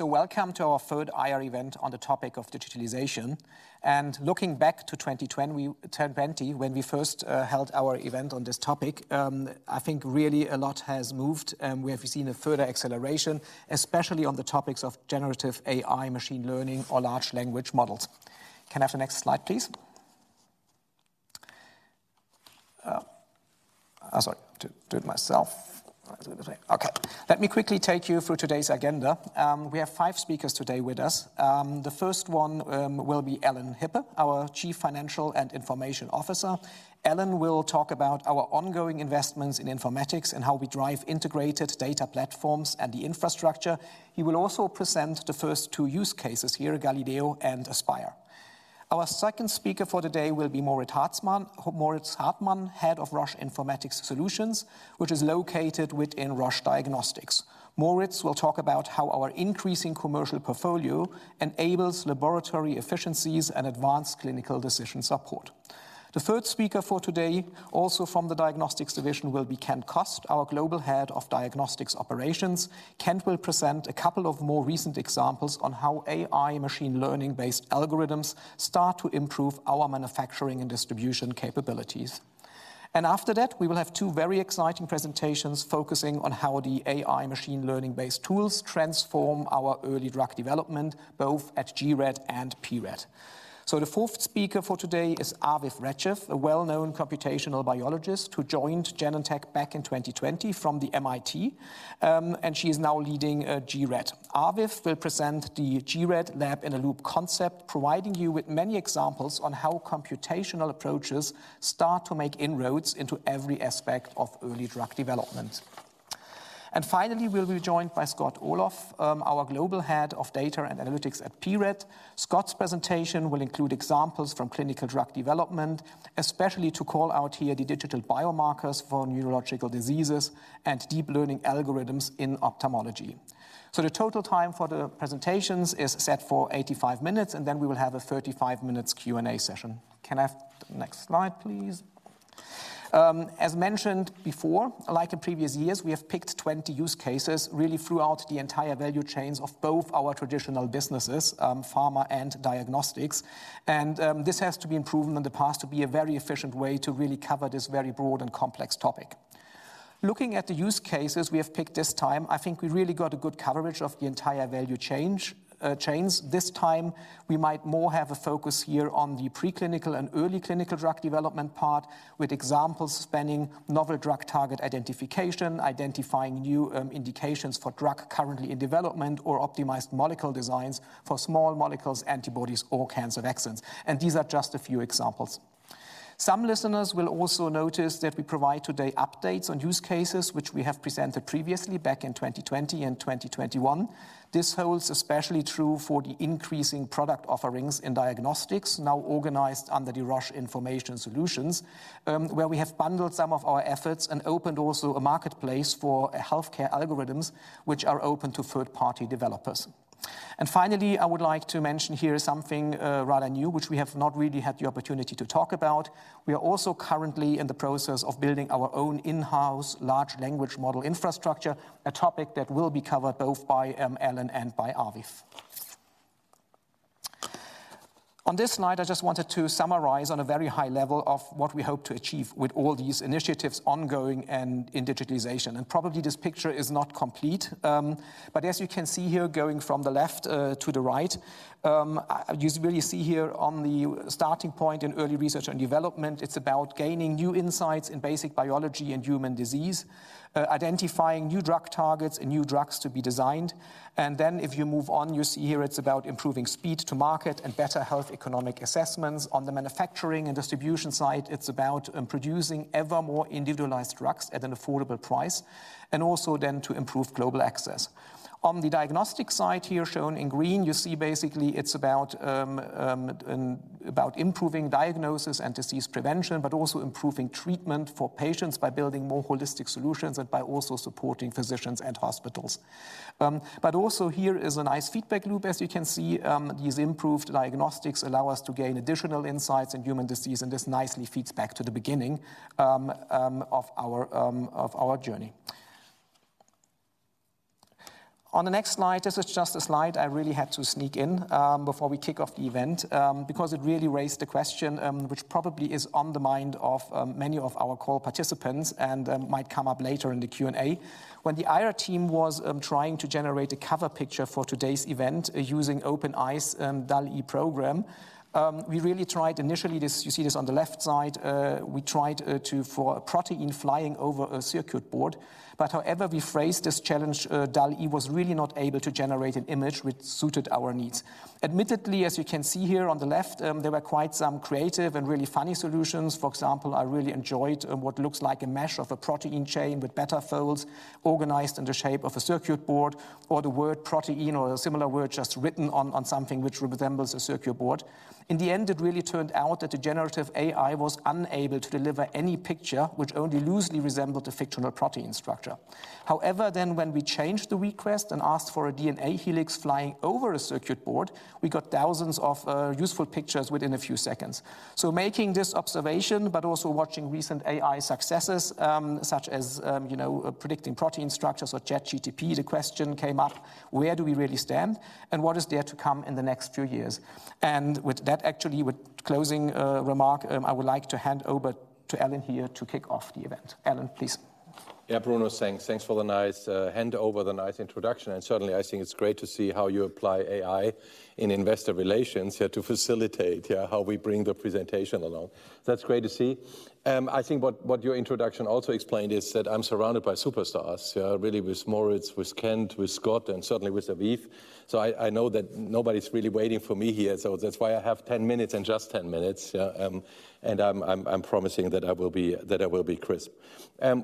So welcome to our third IR event on the topic of digitalization. Looking back to 2020, when we first held our event on this topic, I think really a lot has moved, and we have seen a further acceleration, especially on the topics of generative AI, machine learning, or large language models. Can I have the next slide, please? Sorry, do it myself. Okay. Let me quickly take you through today's agenda. We have 5 speakers today with us. The first one will be Alan Hippe, our Chief Financial and Information Officer. Alan will talk about our ongoing investments in informatics and how we drive integrated data platforms and the infrastructure. He will also present the first two use cases here, Galileo and Aspire. Our second speaker for today will be Moritz Hartmann, Moritz Hartmann, Head of Roche Information Solutions, which is located within Roche Diagnostics. Moritz will talk about how our increasing commercial portfolio enables laboratory efficiencies and advanced clinical decision support. The third speaker for today, also from the Diagnostics division, will be Kent Kost, our Global Head of Diagnostics Operations. Kent will present a couple of more recent examples on how AI machine learning-based algorithms start to improve our manufacturing and distribution capabilities. And after that, we will have two very exciting presentations focusing on how the AI machine learning-based tools transform our early drug development, both at gRED and pRED. So the fourth speaker for today is Aviv Regev, a well-known computational biologist who joined Genentech back in 2020 from the MIT, and she is now leading gRED. Aviv will present the gRED Lab in a Loop concept, providing you with many examples on how computational approaches start to make inroads into every aspect of early drug development. Finally, we'll be joined by Scott Oloff, our Global Head of Data and Analytics at pRED. Scott's presentation will include examples from clinical drug development, especially to call out here the digital biomarkers for neurological diseases and deep learning algorithms in ophthalmology. The total time for the presentations is set for 85 minutes, and then we will have a 35 minutes Q&A session. Can I have the next slide, please? As mentioned before, like in previous years, we have picked 20 use cases really throughout the entire value chains of both our traditional businesses, pharma and diagnostics. This has to be proven in the past to be a very efficient way to really cover this very broad and complex topic. Looking at the use cases we have picked this time, I think we really got a good coverage of the entire value chains. This time, we might more have a focus here on the preclinical and early clinical drug development part, with examples spanning novel drug target identification, identifying new indications for drug currently in development, or optimized molecule designs for small molecules, antibodies, or cancer vaccines. These are just a few examples. Some listeners will also notice that we provide today updates on use cases which we have presented previously back in 2020 and 2021. This holds especially true for the increasing product offerings in diagnostics, now organized under the Roche Information Solutions, where we have bundled some of our efforts and opened also a marketplace for healthcare algorithms, which are open to third-party developers. And finally, I would like to mention here something, rather new, which we have not really had the opportunity to talk about. We are also currently in the process of building our own in-house large language model infrastructure, a topic that will be covered both by, Alan and by Aviv. On this slide, I just wanted to summarize on a very high level of what we hope to achieve with all these initiatives ongoing and in digitalization. Probably, this picture is not complete, but as you can see here, going from the left to the right, you really see here on the starting point in early research and development, it's about gaining new insights in basic biology and human disease, identifying new drug targets and new drugs to be designed. And then if you move on, you see here it's about improving speed to market and better health economic assessments. On the manufacturing and distribution side, it's about producing ever more individualized drugs at an affordable price, and also then to improve global access. On the diagnostic side here, shown in green, you see basically it's about about improving diagnosis and disease prevention, but also improving treatment for patients by building more holistic solutions and by also supporting physicians and hospitals. But also here is a nice feedback loop, as you can see. These improved diagnostics allow us to gain additional insights in human disease, and this nicely feeds back to the beginning of our journey. On the next slide, this is just a slide I really had to sneak in before we kick off the event, because it really raised the question, which probably is on the mind of many of our call participants and might come up later in the Q&A. When the IR team was trying to generate a cover picture for today's event using OpenAI's DALL-E program, we really tried initially this... You see this on the left side, we tried to for a protein flying over a circuit board. But however we phrased this challenge, DALL-E was really not able to generate an image which suited our needs. Admittedly, as you can see here on the left, there were quite some creative and really funny solutions. For example, I really enjoyed, what looks like a mesh of a protein chain with beta folds organized in the shape of a circuit board, or the word protein or a similar word just written on, on something which resembles a circuit board. In the end, it really turned out that the generative AI was unable to deliver any picture which only loosely resembled a fictional protein structure. However, then when we changed the request and asked for a DNA helix flying over a circuit board, we got thousands of useful pictures within a few seconds. So making this observation, but also watching recent AI successes, such as predicting protein structures or ChatGPT, the question came up: Where do we really stand, and what is there to come in the next few years? And with that, actually, with closing remark, I would like to hand over to Alan here to kick off the event. Alan, please. Yeah, Bruno, thanks. Thanks for the nice hand over, the nice introduction, and certainly, I think it's great to see how you apply AI in investor relations, yeah, to facilitate, yeah, how we bring the presentation along. That's great to see. I think what your introduction also explained is that I'm surrounded by superstars, really with Moritz, with Kent, with Scott, and certainly with Aviv. So I know that nobody's really waiting for me here, so that's why I have 10 minutes and just 10 minutes, yeah. I'm promising that I will be crisp.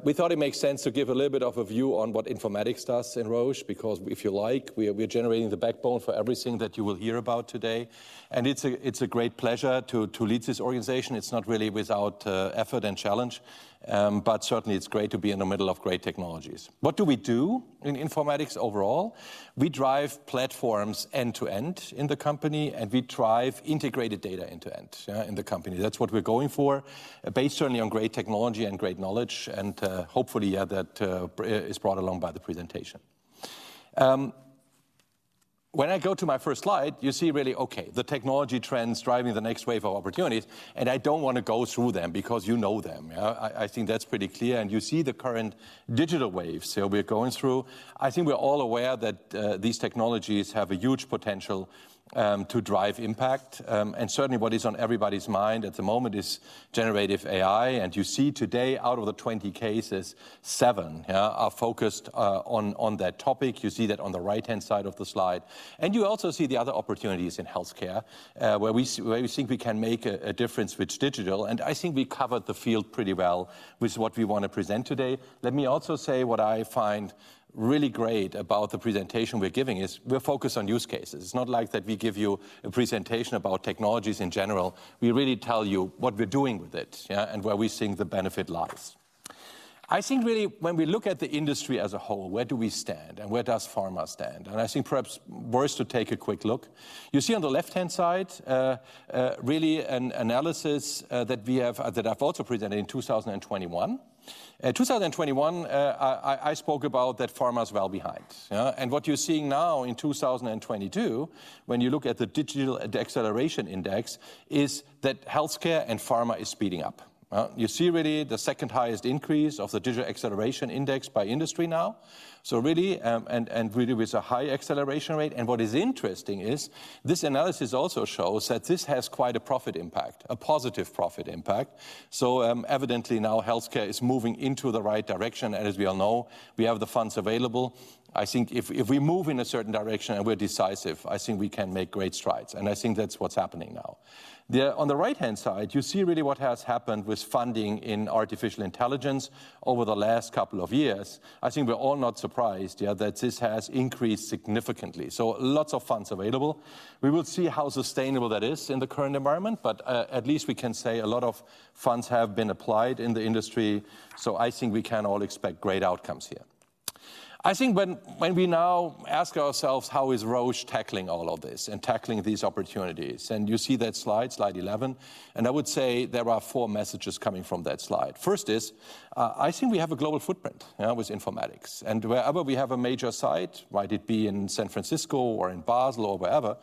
We thought it makes sense to give a little bit of a view on what Informatics does in Roche, because if you like, we are generating the backbone for everything that you will hear about today. And it's a great pleasure to lead this organization. It's not really without effort and challenge, but certainly, it's great to be in the middle of great technologies. What do we do in Informatics overall? We drive platforms end-to-end in the company, and we drive integrated data end-to-end, yeah, in the company. That's what we're going for, based certainly on great technology and great knowledge, and, hopefully, yeah, that is brought along by the presentation. When I go to my first slide, you see really, okay, the technology trends driving the next wave of opportunities, and I don't want to go through them because you know them, yeah? I think that's pretty clear, and you see the current digital waves that we're going through. I think we're all aware that these technologies have a huge potential to drive impact. And certainly, what is on everybody's mind at the moment is generative AI, and you see today, out of the 20 cases, 7, yeah, are focused on that topic. You see that on the right-hand side of the slide. And you also see the other opportunities in healthcare, where we think we can make a difference with digital, and I think we covered the field pretty well with what we want to present today. Let me also say what I find really great about the presentation we're giving is we're focused on use cases. It's not like that we give you a presentation about technologies in general. We really tell you what we're doing with it, yeah, and where we think the benefit lies. I think really when we look at the industry as a whole, where do we stand, and where does pharma stand? And I think perhaps worth to take a quick look. You see on the left-hand side, really an analysis that we have that I've also presented in 2021. 2021, I spoke about that pharma's well behind. Yeah? And what you're seeing now in 2022, when you look at the digital acceleration index, is that healthcare and pharma is speeding up. You see really the second highest increase of the digital acceleration index by industry now, so really, and really with a high acceleration rate. And what is interesting is this analysis also shows that this has quite a profit impact, a positive profit impact. So, evidently now healthcare is moving into the right direction, and as we all know, we have the funds available. I think if, if we move in a certain direction and we're decisive, I think we can make great strides, and I think that's what's happening now. On the right-hand side, you see really what has happened with funding in artificial intelligence over the last couple of years. I think we're all not surprised, yeah, that this has increased significantly, so lots of funds available. We will see how sustainable that is in the current environment, but, at least we can say a lot of funds have been applied in the industry, so I think we can all expect great outcomes here. I think when we now ask ourselves, "How is Roche tackling all of this and tackling these opportunities?" And you see that slide 11, and I would say there are four messages coming from that slide. First is, I think we have a global footprint, yeah, with Informatics, and wherever we have a major site, whether it be in San Francisco or in Basel or wherever,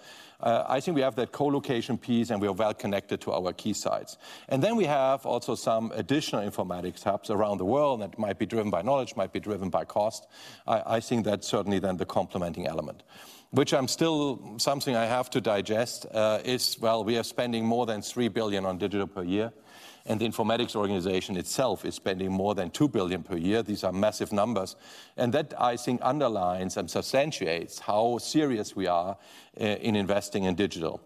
I think we have that co-location piece, and we are well connected to our key sites. And then we have also some additional Informatics hubs around the world, and it might be driven by knowledge, might be driven by cost. I think that's certainly then the complementing element. Which I'm still something I have to digest, is, well, we are spending more than 3 billion on digital per year, and the Informatics organization itself is spending more than 2 billion per year. These are massive numbers, and that, I think, underlines and substantiates how serious we are, in investing in digital.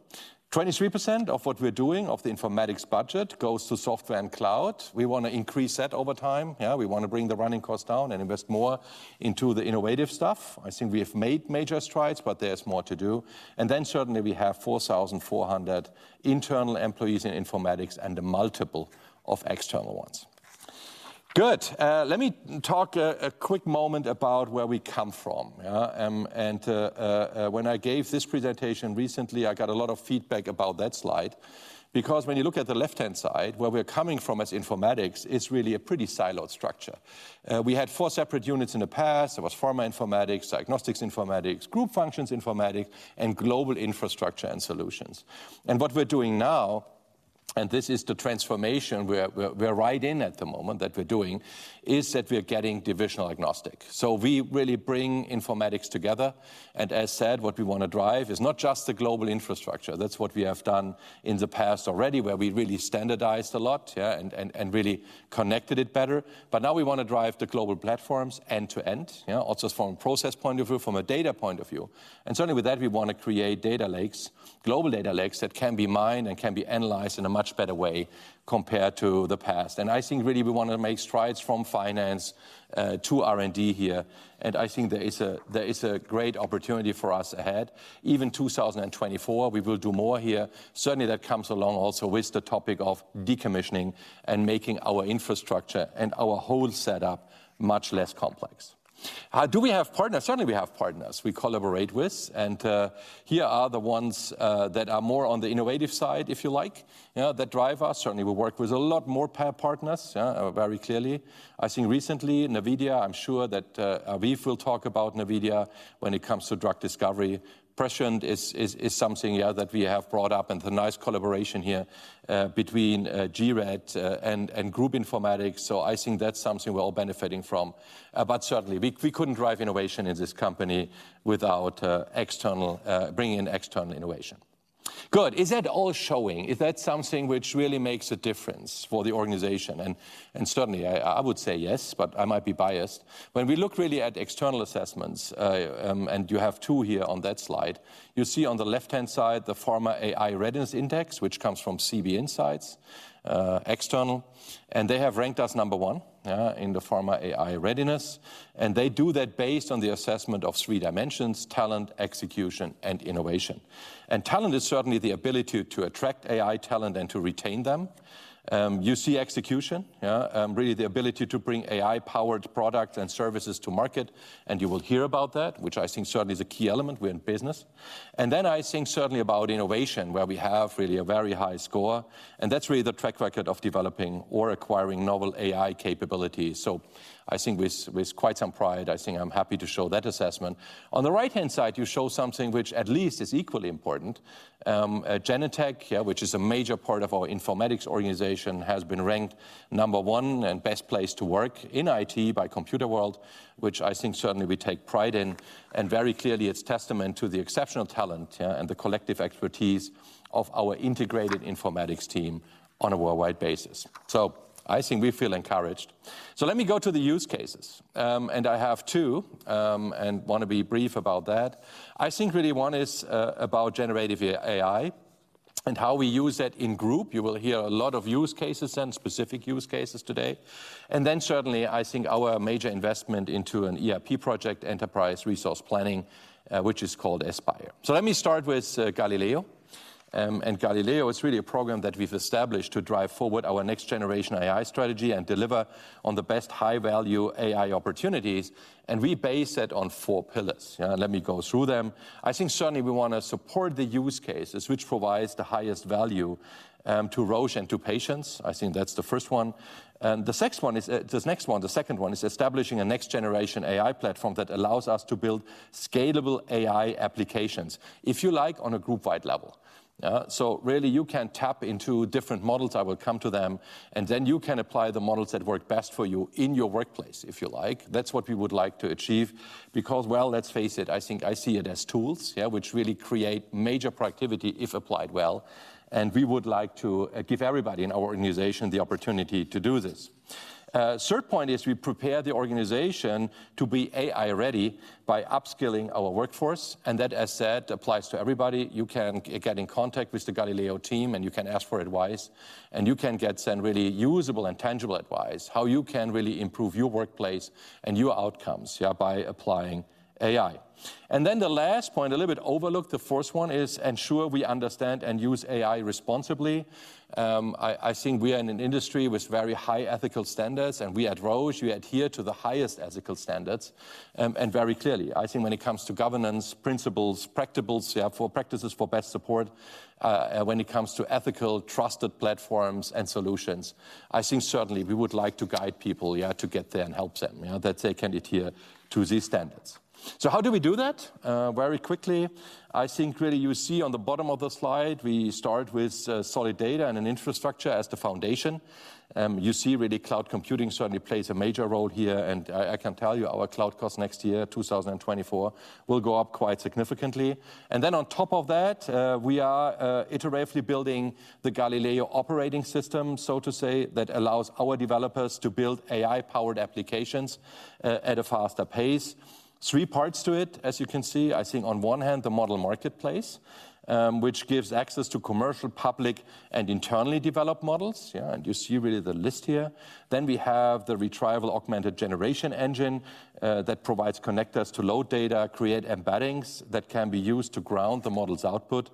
23% of what we're doing, of the Informatics budget, goes to software and cloud. We want to increase that over time. Yeah, we want to bring the running costs down and invest more into the innovative stuff. I think we have made major strides, but there's more to do. And then certainly we have 4,400 internal employees in Informatics and a multiple of external ones. Good. Let me talk a quick moment about where we come from. Yeah, and when I gave this presentation recently, I got a lot of feedback about that slide because when you look at the left-hand side, where we're coming from as Informatics, it's really a pretty siloed structure. We had four separate units in the past. There was Pharma Informatics, Diagnostics Informatics, Group Functions Informatics, and Global Infrastructure and Solutions. And what we're doing now, and this is the transformation we're right in at the moment that we're doing, is that we're getting divisional agnostic. So we really bring Informatics together, and as said, what we want to drive is not just the global infrastructure. That's what we have done in the past already, where we really standardized a lot, and really connected it better. But now we want to drive the global platforms end-to-end, yeah, also from a process point of view, from a data point of view. And certainly, with that, we want to create data lakes, global data lakes, that can be mined and can be analyzed in a much better way compared to the past. And I think really we want to make strides from finance to R&D here, and I think there is a great opportunity for us ahead. Even 2024, we will do more here. Certainly, that comes along also with the topic of decommissioning and making our infrastructure and our whole setup much less complex. Do we have partners? Certainly, we have partners we collaborate with, and here are the ones that are more on the innovative side, if you like. Yeah, that drive us. Certainly, we work with a lot more peer partners, yeah, very clearly. I think recently, NVIDIA, I'm sure that Aviv will talk about NVIDIA when it comes to drug discovery. Prescient is something, yeah, that we have brought up, and the nice collaboration here between gRED and Group Informatics. So I think that's something we're all benefiting from. But certainly, we couldn't drive innovation in this company without bringing in external innovation. Good. Is that all showing? Is that something which really makes a difference for the organization? And certainly, I would say yes, but I might be biased. When we look really at external assessments, and you have two here on that slide, you see on the left-hand side the Pharma AI Readiness Index, which comes from CB Insights, external, and they have ranked us number one, yeah, in the Pharma AI Readiness. They do that based on the assessment of three dimensions: talent, execution, and innovation. Talent is certainly the ability to attract AI talent and to retain them. You see execution, yeah, really the ability to bring AI-powered products and services to market, and you will hear about that, which I think certainly is a key element we're in business. Then I think certainly about innovation, where we have really a very high score, and that's really the track record of developing or acquiring novel AI capabilities. So I think with quite some pride, I think I'm happy to show that assessment. On the right-hand side, you show something which at least is equally important. Genentech, yeah, which is a major part of our informatics organization, has been ranked number one and best place to work in IT by Computerworld, which I think certainly we take pride in, and very clearly it's testament to the exceptional talent, yeah, and the collective expertise of our integrated informatics team on a worldwide basis. So I think we feel encouraged. So let me go to the use cases. And I have two, and want to be brief about that. I think really one is about generative AI and how we use that in Group. You will hear a lot of use cases and specific use cases today. And then certainly, I think our major investment into an ERP project, enterprise resource planning, which is called Aspire. So let me start with Galileo. And Galileo is really a program that we've established to drive forward our next-generation AI strategy and deliver on the best high-value AI opportunities, and we base that on four pillars. Yeah, let me go through them. I think certainly we want to support the use cases, which provides the highest value, to Roche and to patients. I think that's the first one. And the next one is this next one, the second one, is establishing a next-generation AI platform that allows us to build scalable AI applications, if you like, on a group-wide level. So really, you can tap into different models, I will come to them, and then you can apply the models that work best for you in your workplace, if you like. That's what we would like to achieve because, well, let's face it, I think I see it as tools, yeah, which really create major productivity if applied well, and we would like to give everybody in our organization the opportunity to do this. Third point is we prepare the organization to be AI-ready by upskilling our workforce, and that, as said, applies to everybody. You can get in contact with the Galileo team, and you can ask for advice, and you can get some really usable and tangible advice, how you can really improve your workplace and your outcomes, yeah, by applying AI. Then the last point, a little bit overlooked, the first one, is ensure we understand and use AI responsibly. I think we are in an industry with very high ethical standards, and we at Roche, we adhere to the highest ethical standards. And very clearly, I think when it comes to governance, principles, practices for best support, when it comes to ethical, trusted platforms and solutions, I think certainly we would like to guide people to get there and help them that they can adhere to these standards. So how do we do that? Very quickly, I think really you see on the bottom of the slide, we start with solid data and an infrastructure as the foundation. You see really cloud computing certainly plays a major role here, and I, I can tell you our cloud cost next year, 2024, will go up quite significantly. And then on top of that, we are iteratively building the Galileo operating system, so to say, that allows our developers to build AI-powered applications at a faster pace. Three parts to it, as you can see. I think on one hand, the Model Marketplace, which gives access to commercial, public, and internally developed models. Yeah, and you see really the list here. Then we have the Retrieval-Augmented Generation engine, that provides connectors to load data, create embeddings that can be used to ground the model's output.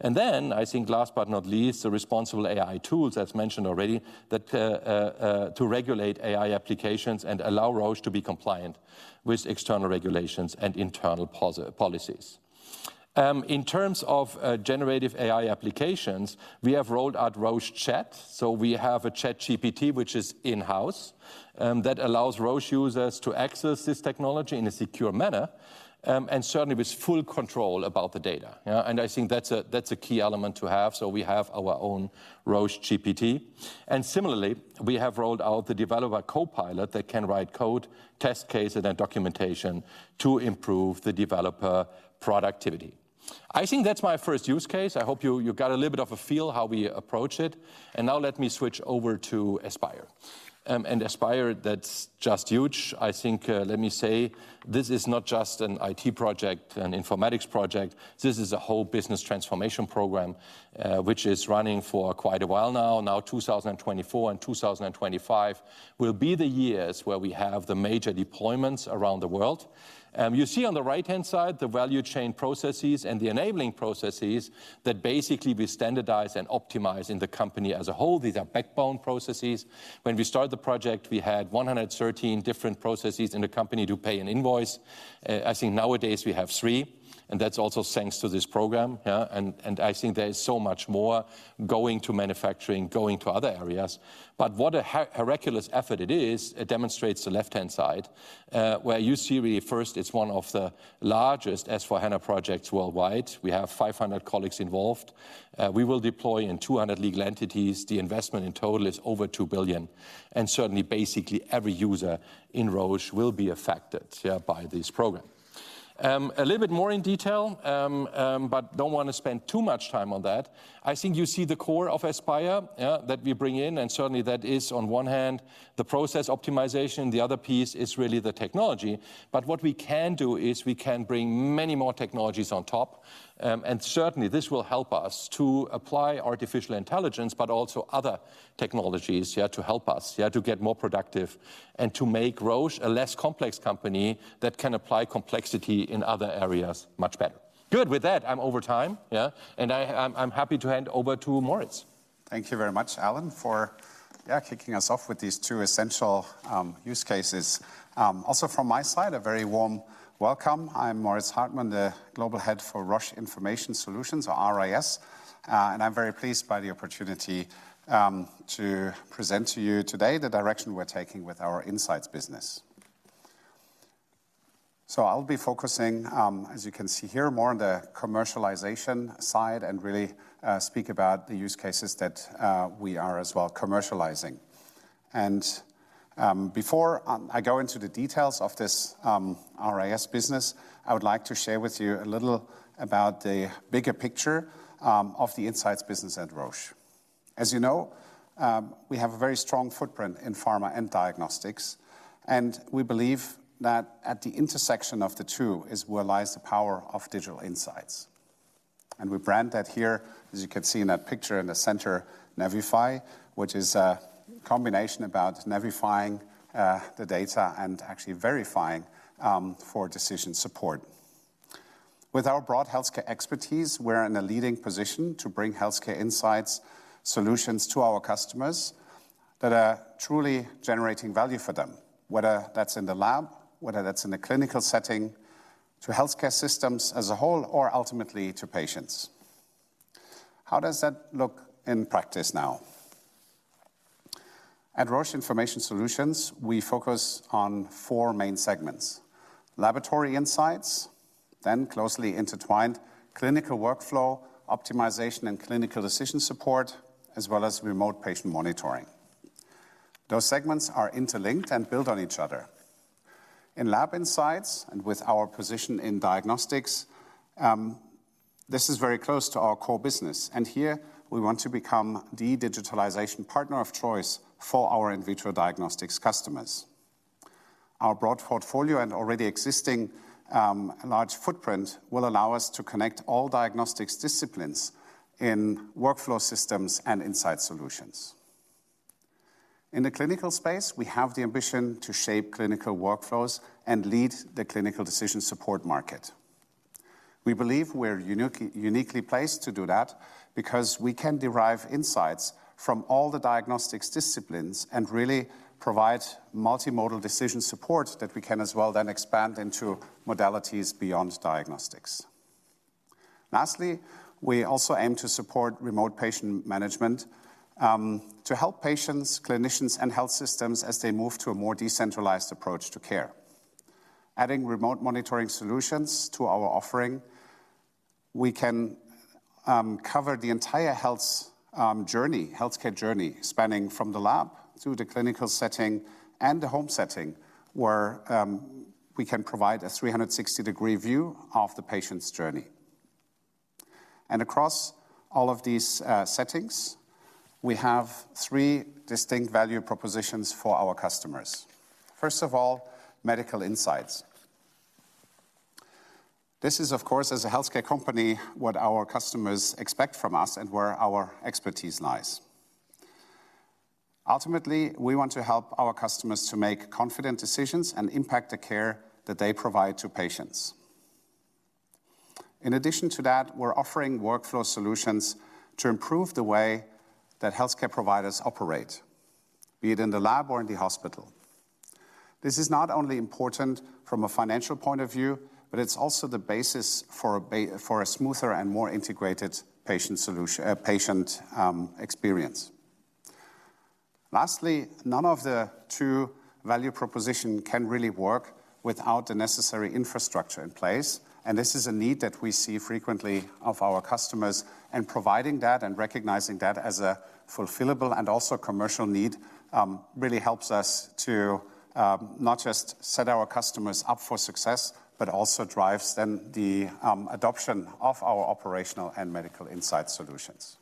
And then, I think last but not least, the responsible AI tools, as mentioned already, that to regulate AI applications and allow Roche to be compliant with external regulations and internal policies. In terms of generative AI applications, we have rolled out Roche Chat. So we have a ChatGPT, which is in-house, that allows Roche users to access this technology in a secure manner, and certainly with full control about the data. Yeah, and I think that's a, that's a key element to have. So we have our own Roche GPT. And similarly, we have rolled out the Developer Copilot that can write code, test cases, and documentation to improve the developer productivity. I think that's my first use case. I hope you got a little bit of a feel how we approach it. Now let me switch over to Aspire. Aspire, that's just huge. I think, let me say, this is not just an IT project, an informatics project. This is a whole business transformation program, which is running for quite a while now. Now, 2024 and 2025 will be the years where we have the major deployments around the world. You see on the right-hand side, the value chain processes and the enabling processes that basically we standardize and optimize in the company as a whole. These are backbone processes. When we started the project, we had 113 different processes in the company to pay an invoice. I think nowadays we have three.... and that's also thanks to this program, yeah? And I think there is so much more going to manufacturing, going to other areas. But what a Herculean effort it is. It demonstrates the left-hand side, where you see we first. It's one of the largest S/4HANA projects worldwide. We have 500 colleagues involved. We will deploy in 200 legal entities. The investment in total is over 2 billion, and certainly, basically every user in Roche will be affected, yeah, by this program. A little bit more in detail, but don't wanna spend too much time on that. I think you see the core of Aspire, yeah, that we bring in, and certainly that is on one hand, the process optimization, the other piece is really the technology. But what we can do is we can bring many more technologies on top. And certainly, this will help us to apply artificial intelligence, but also other technologies, yeah, to help us, yeah, to get more productive and to make Roche a less complex company that can apply complexity in other areas much better. Good. With that, I'm over time, yeah, and I'm happy to hand over to Moritz. Thank you very much, Alan, for, yeah, kicking us off with these two essential use cases. Also from my side, a very warm welcome. I'm Moritz Hartmann, the Global Head for Roche Information Solutions or RIS, and I'm very pleased by the opportunity to present to you today the direction we're taking with our insights business. So I'll be focusing, as you can see here, more on the commercialization side and really speak about the use cases that we are as well commercializing. And before I go into the details of this RIS business, I would like to share with you a little about the bigger picture of the insights business at Roche. As you know, we have a very strong footprint in pharma and diagnostics, and we believe that at the intersection of the two is where lies the power of digital insights. We brand that here, as you can see in that picture in the center, Navify, which is a combination about navifying the data and actually verifying for decision support. With our broad healthcare expertise, we're in a leading position to bring healthcare insights solutions to our customers that are truly generating value for them, whether that's in the lab, whether that's in a clinical setting, to healthcare systems as a whole, or ultimately to patients. How does that look in practice now? At Roche Information Solutions, we focus on four main segments: laboratory insights, then closely intertwined clinical workflow, optimization and clinical decision support, as well as remote patient monitoring. Those segments are interlinked and build on each other. In lab insights and with our position in diagnostics, this is very close to our core business, and here we want to become the digitalization partner of choice for our in vitro diagnostics customers. Our broad portfolio and already existing large footprint will allow us to connect all diagnostics disciplines in workflow systems and insight solutions. In the clinical space, we have the ambition to shape clinical workflows and lead the clinical decision support market. We believe we're uniquely placed to do that because we can derive insights from all the diagnostics disciplines and really provide multimodal decision support that we can as well then expand into modalities beyond diagnostics. Lastly, we also aim to support remote patient management to help patients, clinicians, and health systems as they move to a more decentralized approach to care. Adding remote monitoring solutions to our offering, we can cover the entire health journey, healthcare journey, spanning from the lab through the clinical setting and the home setting, where we can provide a 360-degree view of the patient's journey. Across all of these settings, we have three distinct value propositions for our customers. First of all, medical insights. This is, of course, as a healthcare company, what our customers expect from us and where our expertise lies. Ultimately, we want to help our customers to make confident decisions and impact the care that they provide to patients. In addition to that, we're offering workflow solutions to improve the way that healthcare providers operate, be it in the lab or in the hospital. This is not only important from a financial point of view, but it's also the basis for a smoother and more integrated patient experience. Lastly, none of the two value proposition can really work without the necessary infrastructure in place, and this is a need that we see frequently of our customers, and providing that and recognizing that as a fulfillable and also commercial need really helps us to not just set our customers up for success, but also drives then the adoption of our operational and medical insight solutions.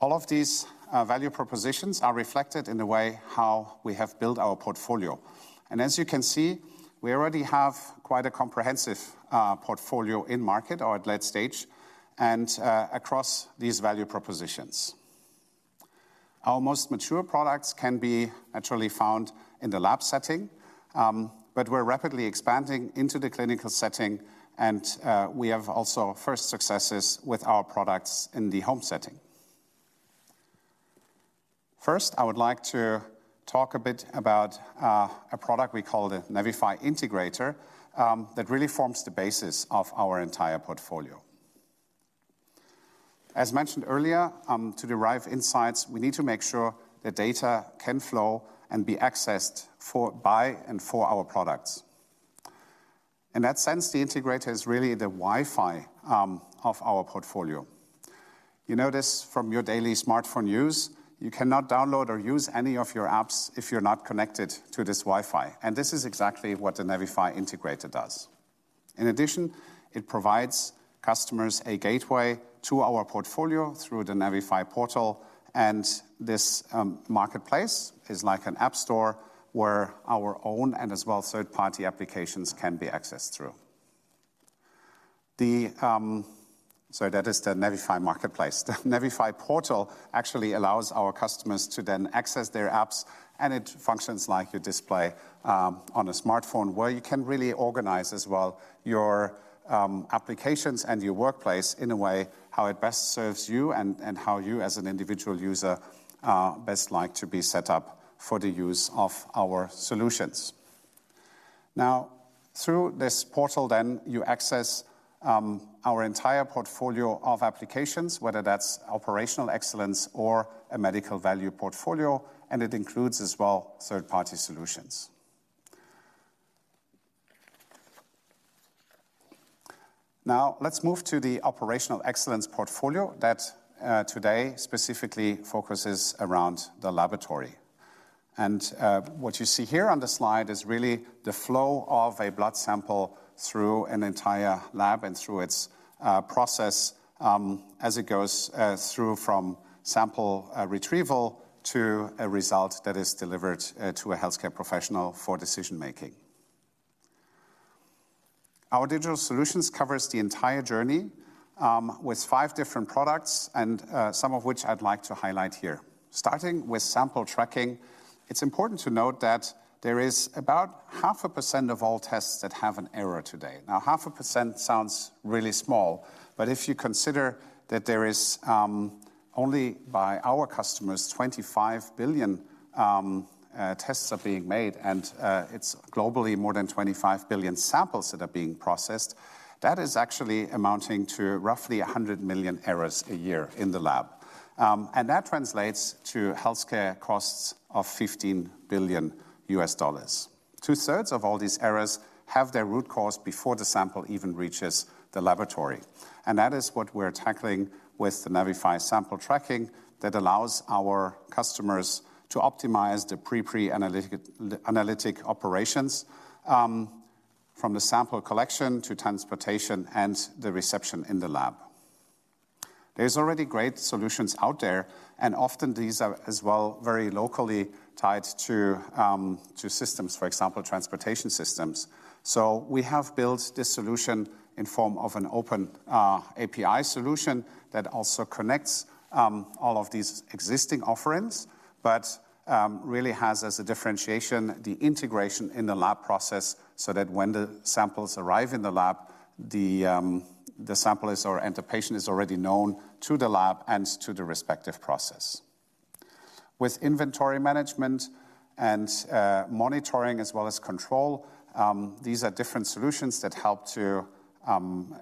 All of these value propositions are reflected in the way how we have built our portfolio. As you can see, we already have quite a comprehensive portfolio in market or at late stage and across these value propositions. Our most mature products can be actually found in the lab setting, but we're rapidly expanding into the clinical setting, and we have also first successes with our products in the home setting... First, I would like to talk a bit about a product we call the NAVIFY Integrator, that really forms the basis of our entire portfolio. As mentioned earlier, to derive insights, we need to make sure the data can flow and be accessed for, by, and for our products. In that sense, the integrator is really the Wi-Fi of our portfolio. You know this from your daily smartphone use. You cannot download or use any of your apps if you're not connected to this Wi-Fi, and this is exactly what the NAVIFY Integrator does. In addition, it provides customers a gateway to our portfolio through the NAVIFY Portal, and this marketplace is like an app store where our own and as well third-party applications can be accessed through. So that is the NAVIFY Marketplace. The NAVIFY Portal actually allows our customers to then access their apps, and it functions like a display on a smartphone, where you can really organize as well your applications and your workplace in a way how it best serves you and, and how you, as an individual user, best like to be set up for the use of our solutions. Now, through this portal then, you access our entire portfolio of applications, whether that's operational excellence or a medical value portfolio, and it includes as well third-party solutions. Now, let's move to the operational excellence portfolio that today specifically focuses around the laboratory. What you see here on the slide is really the flow of a blood sample through an entire lab and through its process as it goes through from sample retrieval to a result that is delivered to a healthcare professional for decision-making. Our digital solutions covers the entire journey with five different products and some of which I'd like to highlight here. Starting with sample tracking, it's important to note that there is about 0.5% of all tests that have an error today. Now, 0.5% sounds really small, but if you consider that there is only by our customers 25 billion tests are being made, and it's globally more than 25 billion samples that are being processed, that is actually amounting to roughly 100 million errors a year in the lab. And that translates to healthcare costs of $15 billion. Two-thirds of all these errors have their root cause before the sample even reaches the laboratory, and that is what we're tackling with the NAVIFY Sample Tracking that allows our customers to optimize the pre-analytic and analytic operations from the sample collection to transportation and the reception in the lab. There's already great solutions out there, and often these are as well very locally tied to systems, for example, transportation systems. So we have built this solution in form of an open API solution that also connects all of these existing offerings, but really has as a differentiation the integration in the lab process, so that when the samples arrive in the lab, the sample and the patient is already known to the lab and to the respective process. With inventory management and monitoring as well as control, these are different solutions that help to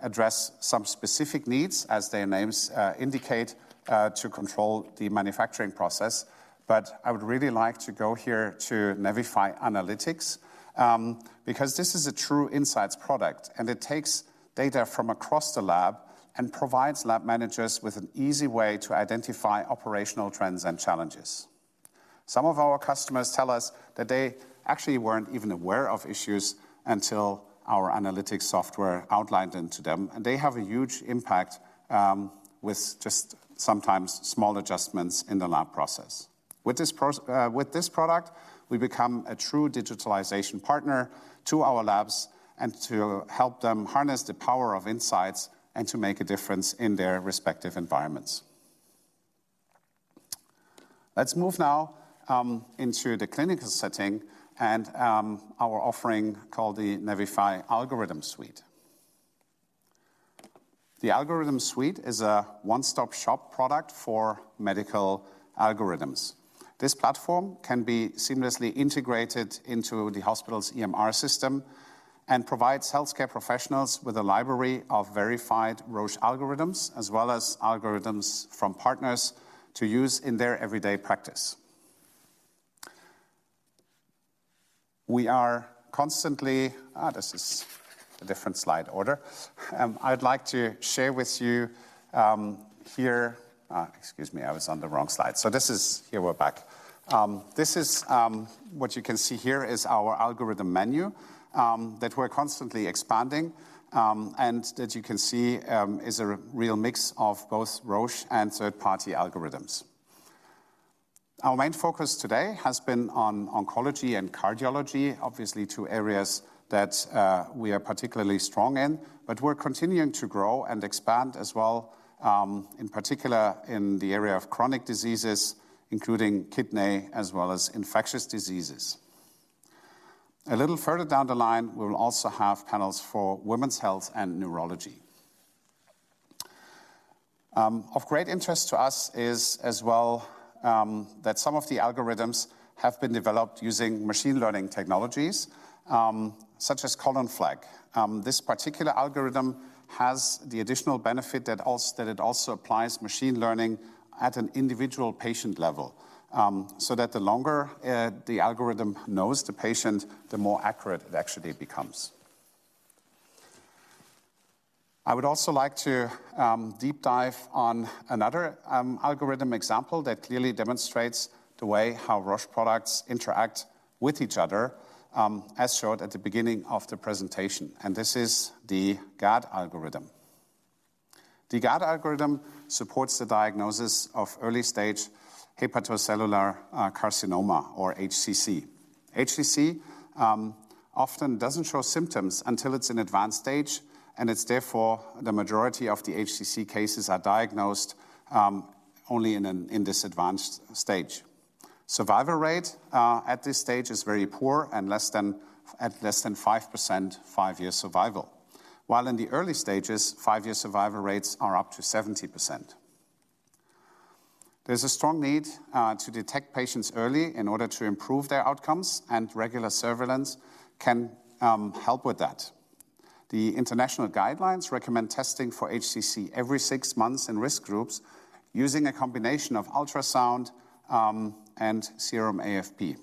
address some specific needs, as their names indicate, to control the manufacturing process. But I would really like to go here to NAVIFY Analytics because this is a true insights product, and it takes data from across the lab and provides lab managers with an easy way to identify operational trends and challenges. Some of our customers tell us that they actually weren't even aware of issues until our analytics software outlined them to them, and they have a huge impact with just sometimes small adjustments in the lab process. With this product, we become a true digitalization partner to our labs and to help them harness the power of insights and to make a difference in their respective environments. Let's move now into the clinical setting and our offering called the NAVIFY Algorithm Suite. The Algorithm Suite is a one-stop-shop product for medical algorithms. This platform can be seamlessly integrated into the hospital's EMR system and provides healthcare professionals with a library of verified Roche algorithms, as well as algorithms from partners to use in their everyday practice. We are constantly... Ah, this is a different slide order. This is what you can see here is our algorithm menu that we're constantly expanding and that you can see is a real mix of both Roche and third-party algorithms. Our main focus today has been on oncology and cardiology, obviously two areas that we are particularly strong in, but we're continuing to grow and expand as well in particular in the area of chronic diseases, including kidney, as well as infectious diseases. A little further down the line, we will also have panels for women's health and neurology. Of great interest to us is as well that some of the algorithms have been developed using machine learning technologies such as ColonFlag. This particular algorithm has the additional benefit that that it also applies machine learning at an individual patient level. So that the longer the algorithm knows the patient, the more accurate it actually becomes. I would also like to deep dive on another algorithm example that clearly demonstrates the way how Roche products interact with each other, as showed at the beginning of the presentation, and this is the GALAD algorithm. The GALAD algorithm supports the diagnosis of early-stage hepatocellular carcinoma or HCC. HCC often doesn't show symptoms until it's in advanced stage, and it's therefore the majority of the HCC cases are diagnosed only in an, in this advanced stage. Survival rate at this stage is very poor and less than, at less than 5% five-year survival. While in the early stages, five-year survival rates are up to 70%. There's a strong need to detect patients early in order to improve their outcomes, and regular surveillance can help with that. The international guidelines recommend testing for HCC every six months in risk groups using a combination of ultrasound and serum AFP.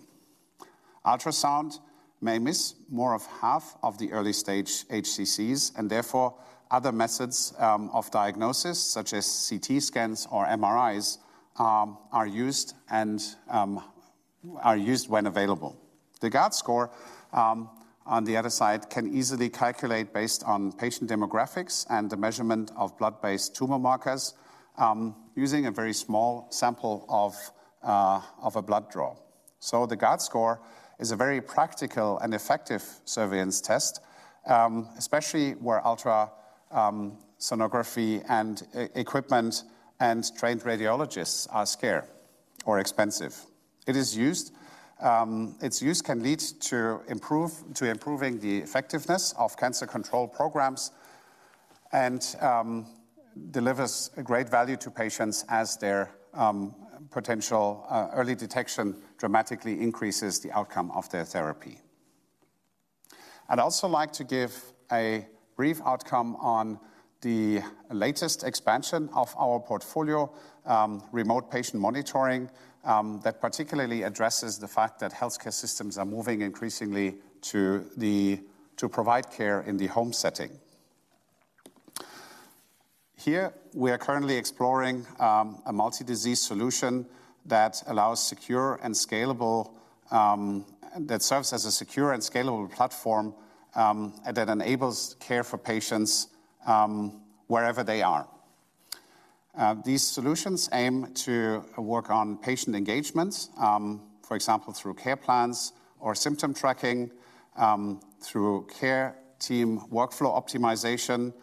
Ultrasound may miss more than half of the early-stage HCCs, and therefore, other methods of diagnosis, such as CT scans or MRIs, are used and are used when available. The GALAD score, on the other side, can easily calculate based on patient demographics and the measurement of blood-based tumor markers using a very small sample of a blood draw. So the GALAD score is a very practical and effective surveillance test, especially where ultrasonography and equipment and trained radiologists are scarce or expensive. It is used. Its use can lead to improve, to improving the effectiveness of cancer control programs and, delivers a great value to patients as their potential early detection dramatically increases the outcome of their therapy. I'd also like to give a brief outcome on the latest expansion of our portfolio, remote patient monitoring, that particularly addresses the fact that healthcare systems are moving increasingly to provide care in the home setting. Here, we are currently exploring a multi-disease solution that allows secure and scalable that serves as a secure and scalable platform and that enables care for patients wherever they are. These solutions aim to work on patient engagement, for example, through care plans or symptom tracking, through care team workflow optimization,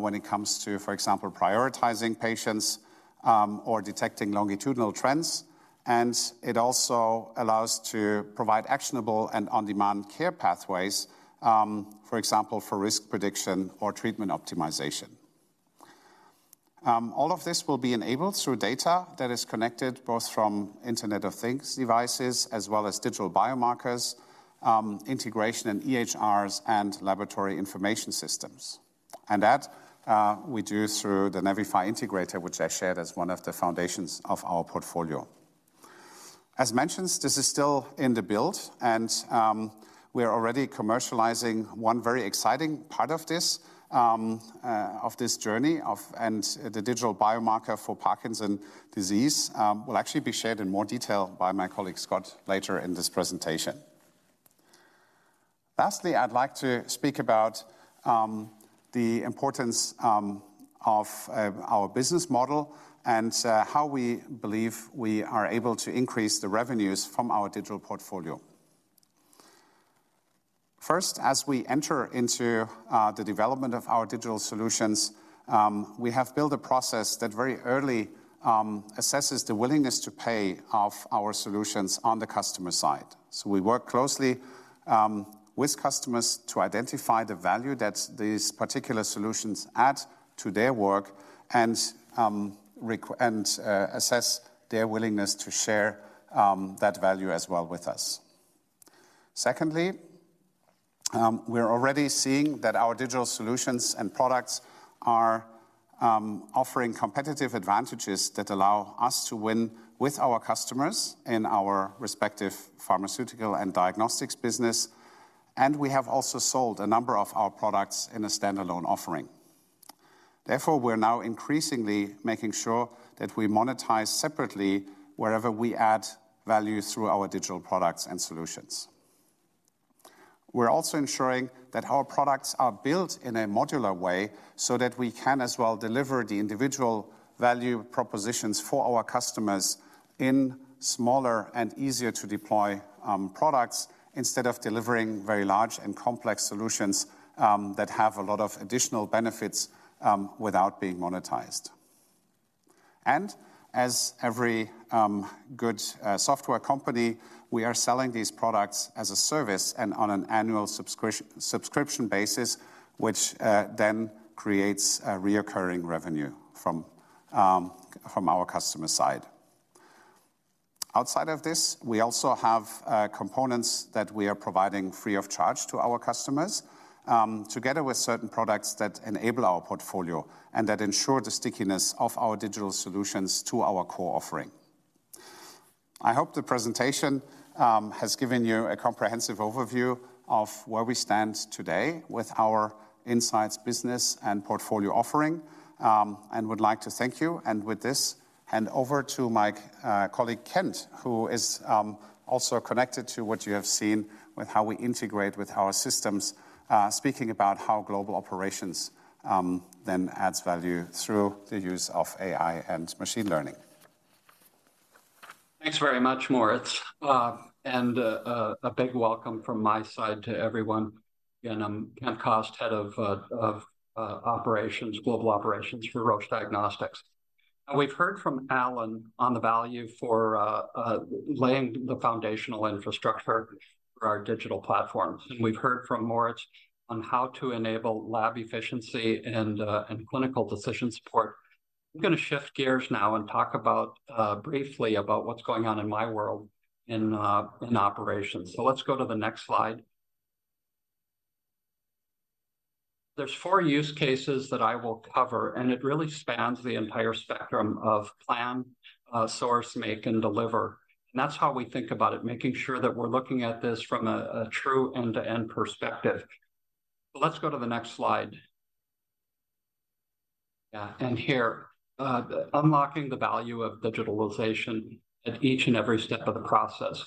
when it comes to, for example, prioritizing patients, or detecting longitudinal trends, and it also allows to provide actionable and on-demand care pathways, for example, for risk prediction or treatment optimization. All of this will be enabled through data that is connected both from Internet of Things devices as well as digital biomarkers, integration in EHRs and laboratory information systems. And that, we do through the NAVIFY Integrator, which I shared as one of the foundations of our portfolio. As mentioned, this is still in the build, and, we are already commercializing one very exciting part of this, of this journey of... The digital biomarker for Parkinson's disease will actually be shared in more detail by my colleague, Scott, later in this presentation. Lastly, I'd like to speak about the importance of our business model and how we believe we are able to increase the revenues from our digital portfolio. First, as we enter into the development of our digital solutions, we have built a process that very early assesses the willingness to pay of our solutions on the customer side. We work closely with customers to identify the value that these particular solutions add to their work and assess their willingness to share that value as well with us. Secondly, we're already seeing that our digital solutions and products are offering competitive advantages that allow us to win with our customers in our respective pharmaceutical and diagnostics business, and we have also sold a number of our products in a standalone offering. Therefore, we're now increasingly making sure that we monetize separately wherever we add value through our digital products and solutions. We're also ensuring that our products are built in a modular way so that we can as well deliver the individual value propositions for our customers in smaller and easier-to-deploy products, instead of delivering very large and complex solutions that have a lot of additional benefits without being monetized.... As every good software company, we are selling these products as a service and on an annual subscription basis, which then creates a recurring revenue from our customer side. Outside of this, we also have components that we are providing free of charge to our customers, together with certain products that enable our portfolio and that ensure the stickiness of our digital solutions to our core offering. I hope the presentation has given you a comprehensive overview of where we stand today with our insights, business, and portfolio offering, and would like to thank you, and with this, hand over to my colleague, Kent, who is also connected to what you have seen with how we integrate with our systems, speaking about how global operations then adds value through the use of AI and machine learning. Thanks very much, Moritz. And a big welcome from my side to everyone. Again, I'm Kent Kost, Head of Operations, Global Operations for Roche Diagnostics. We've heard from Alan on the value for laying the foundational infrastructure for our digital platforms, and we've heard from Moritz on how to enable lab efficiency and clinical decision support. I'm gonna shift gears now and talk about briefly about what's going on in my world in operations. So let's go to the next slide. There's four use cases that I will cover, and it really spans the entire spectrum of plan, source, make, and deliver. And that's how we think about it, making sure that we're looking at this from a true end-to-end perspective. Let's go to the next slide. Yeah, and here, unlocking the value of digitalization at each and every step of the process.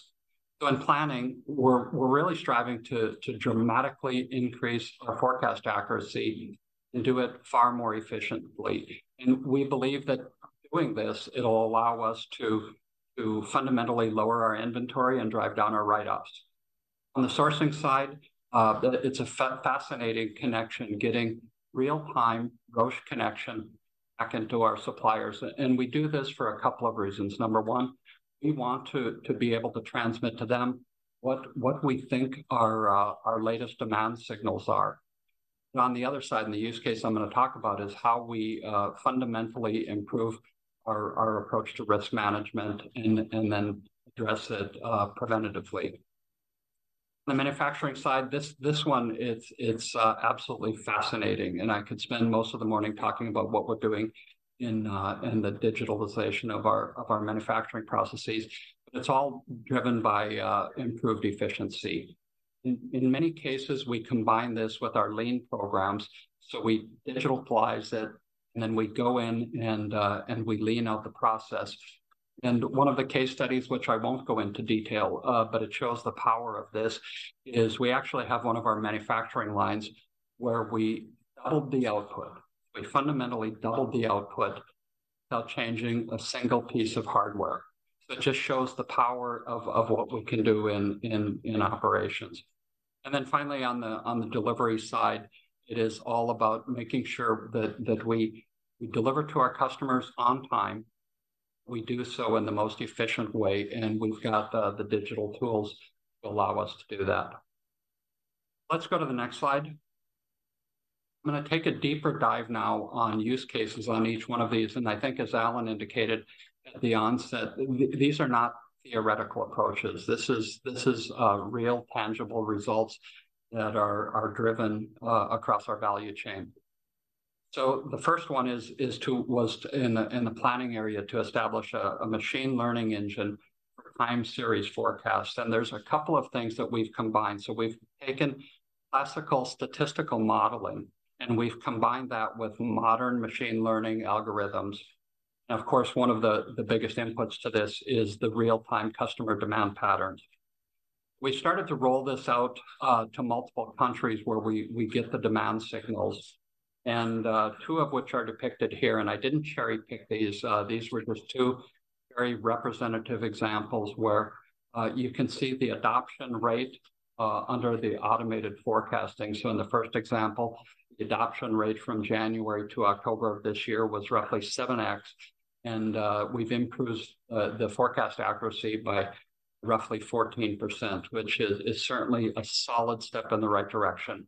So in planning, we're really striving to dramatically increase our forecast accuracy and do it far more efficiently. And we believe that doing this, it'll allow us to fundamentally lower our inventory and drive down our write-offs. On the sourcing side, it's a fascinating connection, getting real-time Roche connection back into our suppliers, and we do this for a couple of reasons. Number one, we want to be able to transmit to them what we think our latest demand signals are. And on the other side, in the use case I'm going to talk about, is how we fundamentally improve our approach to risk management and then address it preventatively. The manufacturing side, this one, it's absolutely fascinating, and I could spend most of the morning talking about what we're doing in the digitalization of our manufacturing processes, but it's all driven by improved efficiency. In many cases, we combine this with our lean programs, so we digitalize it, and then we go in and we lean out the process. And one of the case studies, which I won't go into detail, but it shows the power of this, is we actually have one of our manufacturing lines where we doubled the output. We fundamentally doubled the output without changing a single piece of hardware. So it just shows the power of what we can do in operations. Then finally, on the delivery side, it is all about making sure that we deliver to our customers on time, we do so in the most efficient way, and we've got the digital tools to allow us to do that. Let's go to the next slide. I'm gonna take a deeper dive now on use cases on each one of these, and I think, as Alan indicated at the onset, these are not theoretical approaches. This is real, tangible results that are driven across our value chain. So the first one is to—was in the planning area, to establish a machine learning engine for time series forecasts, and there's a couple of things that we've combined. So we've taken classical statistical modeling, and we've combined that with modern machine learning algorithms. Of course, one of the biggest inputs to this is the real-time customer demand patterns. We started to roll this out to multiple countries where we get the demand signals, and two of which are depicted here, and I didn't cherry-pick these. These were just two very representative examples where you can see the adoption rate under the automated forecasting. So in the first example, the adoption rate from January to October of this year was roughly 7x, and we've improved the forecast accuracy by roughly 14%, which is certainly a solid step in the right direction.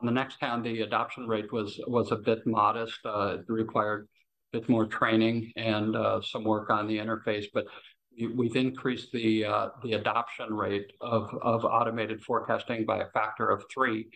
On the next count, the adoption rate was a bit modest. It required a bit more training and some work on the interface, but we've increased the adoption rate of automated forecasting by a factor of 3,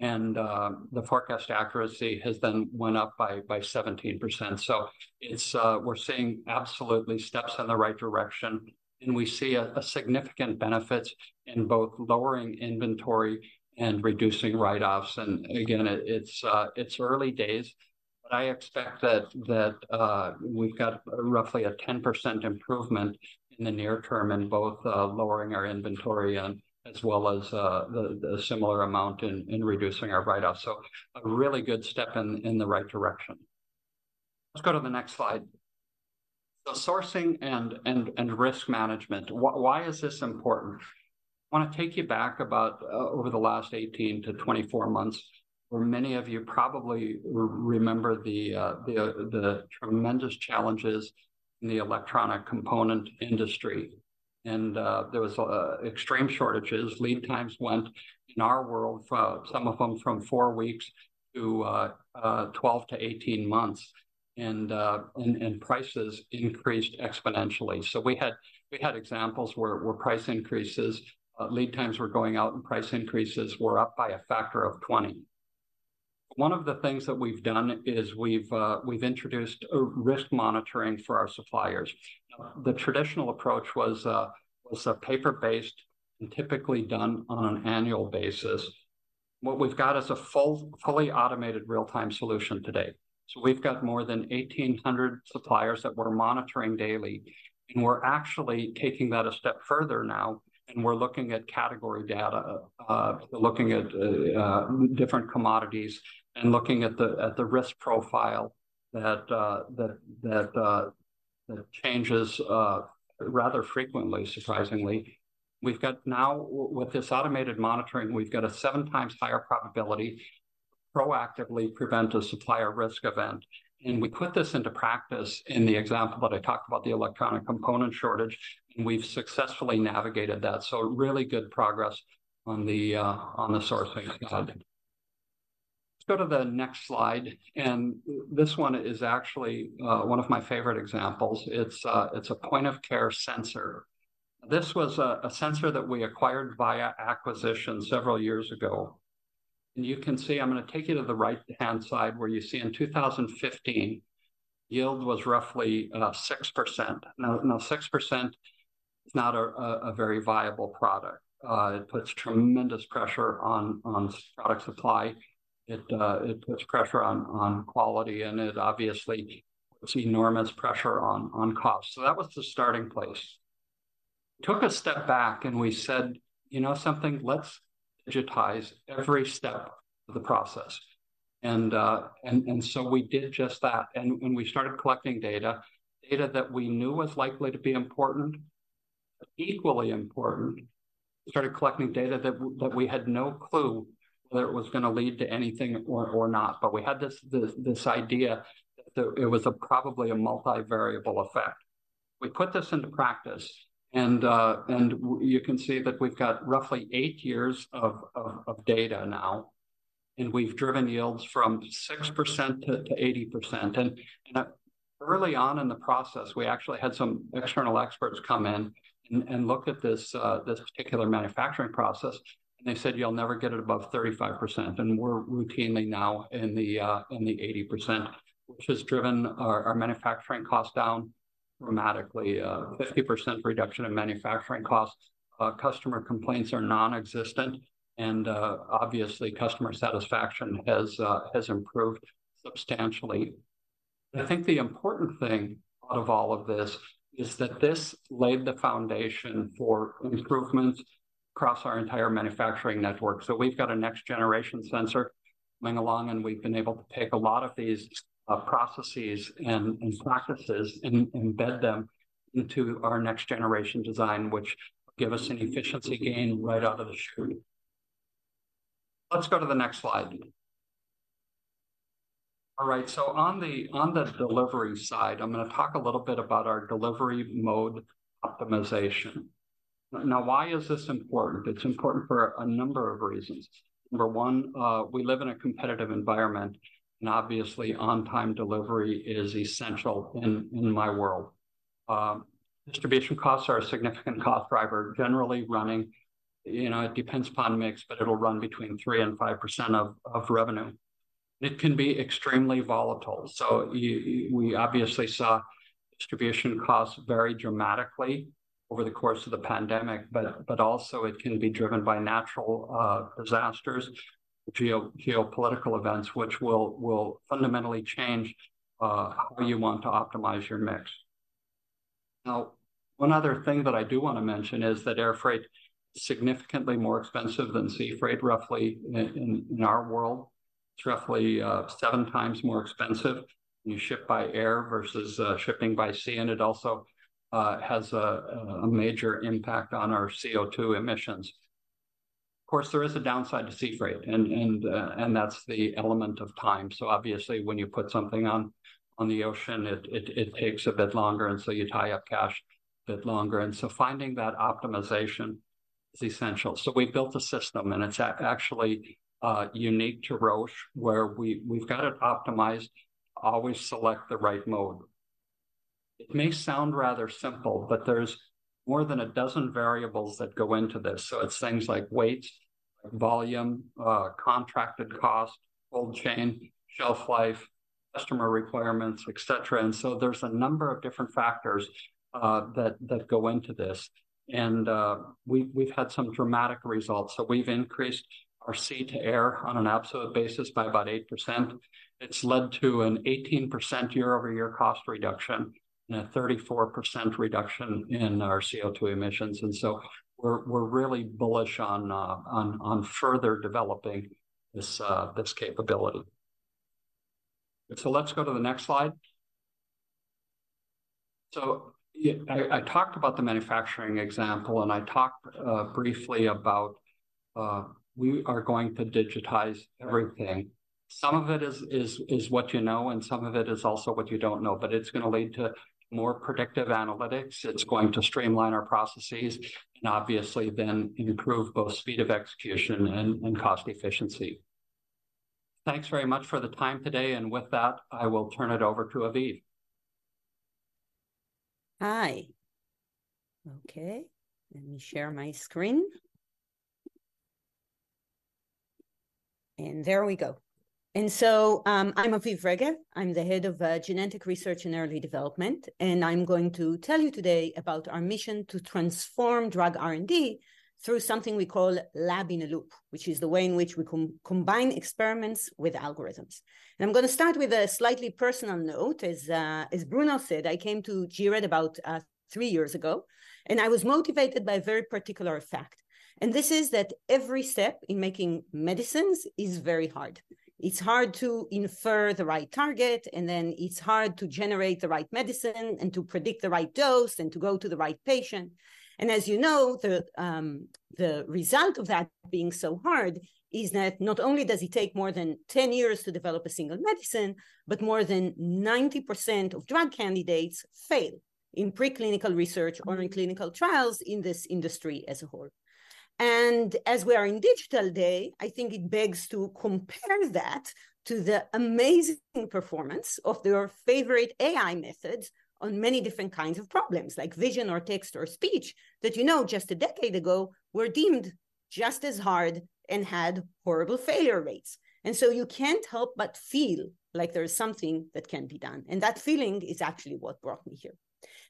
and the forecast accuracy has then went up by 17%. So, we're seeing absolutely steps in the right direction, and we see a significant benefit in both lowering inventory and reducing write-offs. And again, it's early days, but I expect that we've got roughly a 10% improvement in the near term in both lowering our inventory and as well as the similar amount in reducing our write-offs. So a really good step in the right direction. Let's go to the next slide. So sourcing and risk management. Why is this important? I want to take you back about over the last 18-24 months, where many of you probably remember the tremendous challenges in the electronic component industry. And there was extreme shortages. Lead times went, in our world, for some of them, from 4 weeks to 12-18 months, and prices increased exponentially. So we had examples where price increases, lead times were going out, and price increases were up by a factor of 20. One of the things that we've done is we've introduced a risk monitoring for our suppliers. The traditional approach was paper-based and typically done on an annual basis. What we've got is a fully automated real-time solution today. So we've got more than 1,800 suppliers that we're monitoring daily, and we're actually taking that a step further now, and we're looking at category data, looking at different commodities, and looking at the risk profile that changes rather frequently, surprisingly. With this automated monitoring, we've got a seven times higher probability to proactively prevent a supplier risk event. We put this into practice in the example that I talked about, the electronic component shortage, and we've successfully navigated that. Really good progress on the sourcing side. Let's go to the next slide, and this one is actually one of my favorite examples. It's a point-of-care sensor. This was a sensor that we acquired via acquisition several years ago. You can see, I'm going to take you to the right-hand side, where you see in 2015, yield was roughly about 6%. Now, six percent is not a very viable product. It puts tremendous pressure on product supply. It puts pressure on quality, and it obviously puts enormous pressure on cost. So that was the starting place. Took a step back, and we said, "You know something? Let's digitize every step of the process." And so we did just that. And when we started collecting data, data that we knew was likely to be important, but equally important, we started collecting data that we had no clue whether it was going to lead to anything or not. We had this idea that it was probably a multi-variable effect. We put this into practice, and you can see that we've got roughly eight years of data now, and we've driven yields from 6% to 80%. And early on in the process, we actually had some external experts come in and look at this particular manufacturing process, and they said, "You'll never get it above 35%." And we're routinely now in the 80%, which has driven our manufacturing costs down dramatically. 50% reduction in manufacturing costs. Customer complaints are non-existent, and obviously, customer satisfaction has improved substantially. I think the important thing out of all of this is that this laid the foundation for improvements across our entire manufacturing network. So we've got a next-generation sensor coming along, and we've been able to take a lot of these processes and practices and embed them into our next-generation design, which give us an efficiency gain right out of the chute. Let's go to the next slide. All right, so on the delivery side, I'm going to talk a little bit about our delivery mode optimization. Now, why is this important? It's important for a number of reasons. Number one, we live in a competitive environment, and obviously, on-time delivery is essential in my world. Distribution costs are a significant cost driver, generally running it depends upon mix, but it'll run between 3%-5% of revenue. It can be extremely volatile. So we obviously saw distribution costs vary dramatically over the course of the pandemic, but also it can be driven by natural disasters, geopolitical events, which will fundamentally change how you want to optimize your mix. Now, one other thing that I do want to mention is that air freight is significantly more expensive than sea freight. Roughly in our world, it's roughly seven times more expensive when you ship by air versus shipping by sea, and it also has a major impact on our CO2 emissions. Of course, there is a downside to sea freight, and that's the element of time. So obviously, when you put something on the ocean, it takes a bit longer, and so you tie up cash a bit longer, and so finding that optimization is essential. So we built a system, and it's actually unique to Roche, where we've got it optimized to always select the right mode. It may sound rather simple, but there's more than a dozen variables that go into this. So it's things like weight, volume, contracted cost, cold chain, shelf life, customer requirements, et cetera. And so there's a number of different factors that go into this, and we've had some dramatic results. So we've increased our sea-to-air on an absolute basis by about 8%. It's led to an 18% year-over-year cost reduction and a 34% reduction in our CO2 emissions. And so we're really bullish on further developing this capability. So let's go to the next slide. So, yeah, I talked about the manufacturing example, and I talked briefly about we are going to digitize everything. Some of it is what you know, and some of it is also what you don't know, but it's going to lead to more predictive analytics. It's going to streamline our processes, and obviously, then improve both speed of execution and cost efficiency. Thanks very much for the time today, and with that, I will turn it over to Aviv. Hi. Okay, let me share my screen. And there we go. And so, I'm Aviv Regev. I'm the head of Genentech Research and Early Development, and I'm going to tell you today about our mission to transform drug R&D through something we call Lab in a Loop, which is the way in which we combine experiments with algorithms. And I'm going to start with a slightly personal note. As, as Bruno said, I came to gRED about three years ago, and I was motivated by a very particular fact, and this is that every step in making medicines is very hard. It's hard to infer the right target, and then it's hard to generate the right medicine, and to predict the right dose, and to go to the right patient. As you know, the result of that being so hard is that not only does it take more than 10 years to develop a single medicine, but more than 90% of drug candidates fail in preclinical research or in clinical trials in this industry as a whole. As we are in Digital Day, I think it begs to compare that to the amazing performance of your favorite AI methods on many different kinds of problems, like vision, or text, or speech, that just a decade ago were deemed just as hard and had horrible failure rates. So you can't help but feel like there is something that can be done, and that feeling is actually what brought me here.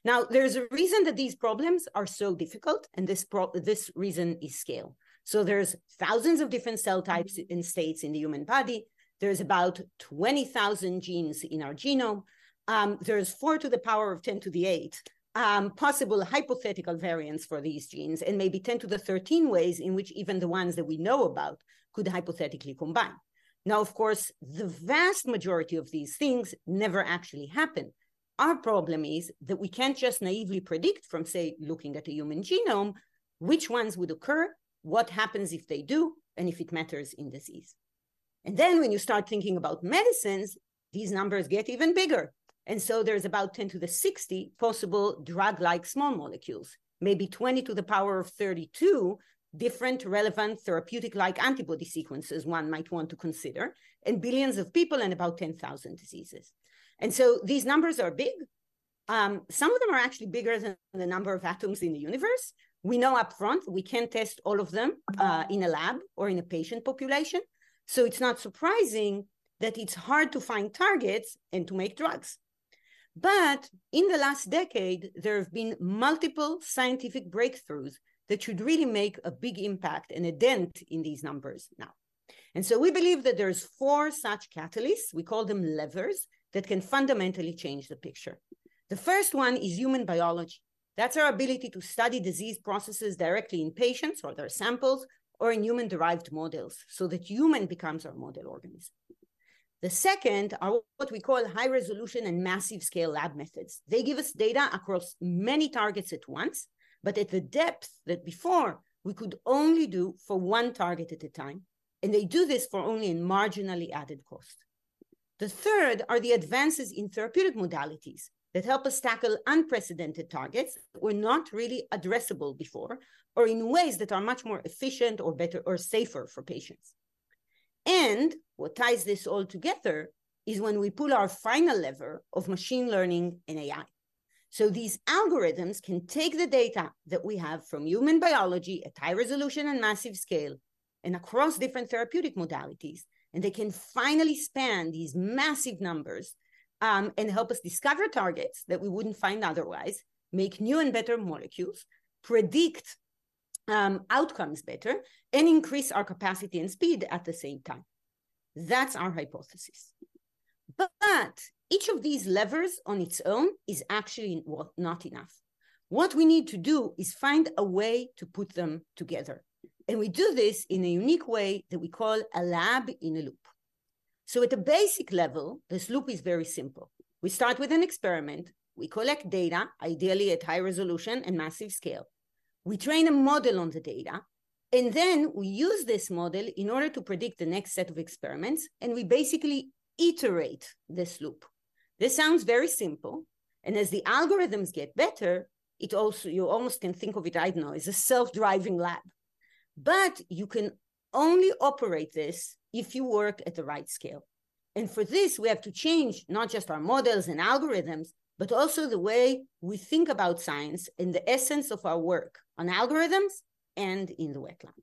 Now, there's a reason that these problems are so difficult, and this reason is scale. So there's thousands of different cell types and states in the human body. There's about 20,000 genes in our genome. There's 4 to the power of 10 to the 8th possible hypothetical variants for these genes, and maybe 10 to the 13th ways in which even the ones that we know about could hypothetically combine. Now, of course, the vast majority of these things never actually happen. Our problem is that we can't just naively predict from, say, looking at a human genome, which ones would occur, what happens if they do, and if it matters in disease. And then, when you start thinking about medicines, these numbers get even bigger. And so there's about 10 to the 60th possible drug-like small molecules, maybe 20 to the power of 32 different relevant therapeutic-like antibody sequences one might want to consider, and billions of people, and about 10,000 diseases. These numbers are big. Some of them are actually bigger than the number of atoms in the universe. We know upfront we can't test all of them, in a lab or in a patient population, so it's not surprising that it's hard to find targets and to make drugs. But in the last decade, there have been multiple scientific breakthroughs that should really make a big impact and a dent in these numbers now. And so we believe that there's four such catalysts, we call them levers, that can fundamentally change the picture. The first one is human biology. That's our ability to study disease processes directly in patients, or their samples, or in human-derived models, so that human becomes our model organism. The second are what we call high-resolution and massive-scale lab methods. They give us data across many targets at once, but at the depth that before we could only do for one target at a time, and they do this for only a marginally added cost. The third are the advances in therapeutic modalities that help us tackle unprecedented targets that were not really addressable before, or in ways that are much more efficient, or better, or safer for patients. And what ties this all together is when we pull our final lever of machine learning and AI. So these algorithms can take the data that we have from human biology at high resolution and massive scale, and across different therapeutic modalities, and they can finally span these massive numbers, and help us discover targets that we wouldn't find otherwise, make new and better molecules, predict outcomes better, and increase our capacity and speed at the same time. That's our hypothesis. But each of these levers on its own is actually, well, not enough. What we need to do is find a way to put them together, and we do this in a unique way that we call a Lab in a Loop. So at a basic level, this loop is very simple. We start with an experiment, we collect data, ideally at high resolution and massive scale. We train a model on the data, and then we use this model in order to predict the next set of experiments, and we basically iterate this loop. This sounds very simple, and as the algorithms get better, it also, you almost can think of it, I don't know, as a self-driving lab. But you can only operate this if you work at the right scale. And for this, we have to change not just our models and algorithms, but also the way we think about science and the essence of our work on algorithms and in the wet lab.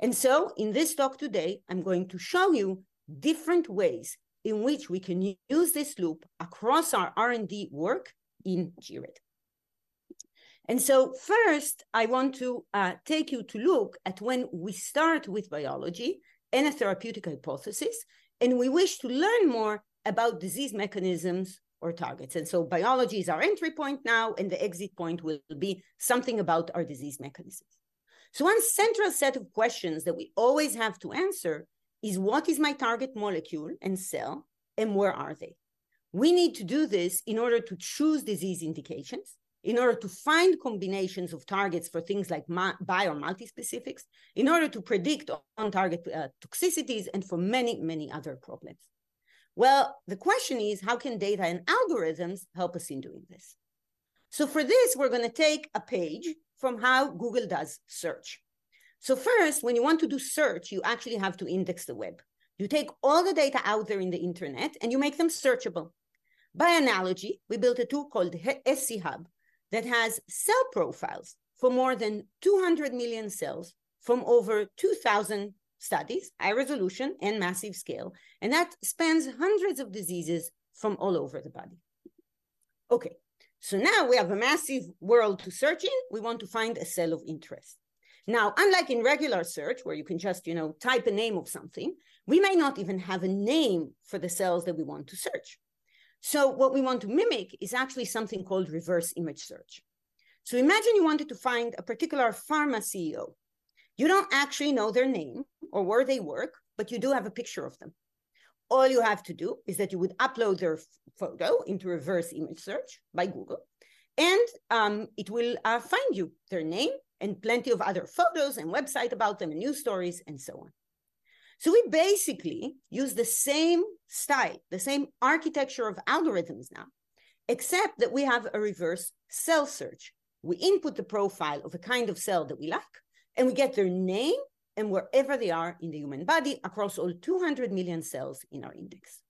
And so in this talk today, I'm going to show you different ways in which we can use this loop across our R&D work in gRED. And so first, I want to take you to look at when we start with biology and a therapeutic hypothesis, and we wish to learn more about disease mechanisms or targets. And so biology is our entry point now, and the exit point will be something about our disease mechanisms. So one central set of questions that we always have to answer is what is my target molecule and cell, and where are they? We need to do this in order to choose disease indications, in order to find combinations of targets for things like ma- bi or multi-specifics, in order to predict on target toxicities, and for many, many other problems. Well, the question is: how can data and algorithms help us in doing this? So for this, we're gonna take a page from how Google does search. So first, when you want to do search, you actually have to index the web. You take all the data out there in the internet, and you make them searchable. By analogy, we built a tool called scHub that has cell profiles for more than 200 million cells from over 2,000 studies, high resolution and massive scale, and that spans hundreds of diseases from all over the body. Okay, so now we have a massive world to search in. We want to find a cell of interest. Now, unlike in regular search, where you can just type a name of something, we may not even have a name for the cells that we want to search. So what we want to mimic is actually something called reverse image search. So imagine you wanted to find a particular pharma CEO. You don't actually know their name or where they work, but you do have a picture of them. All you have to do is that you would upload their photo into reverse image search by Google, and it will find you their name and plenty of other photos, and website about them, and news stories, and so on. So we basically use the same style, the same architecture of algorithms now, except that we have a reverse cell search. We input the profile of a kind of cell that we like, and we get their name and wherever they are in the human body, across all 200 million cells in our index.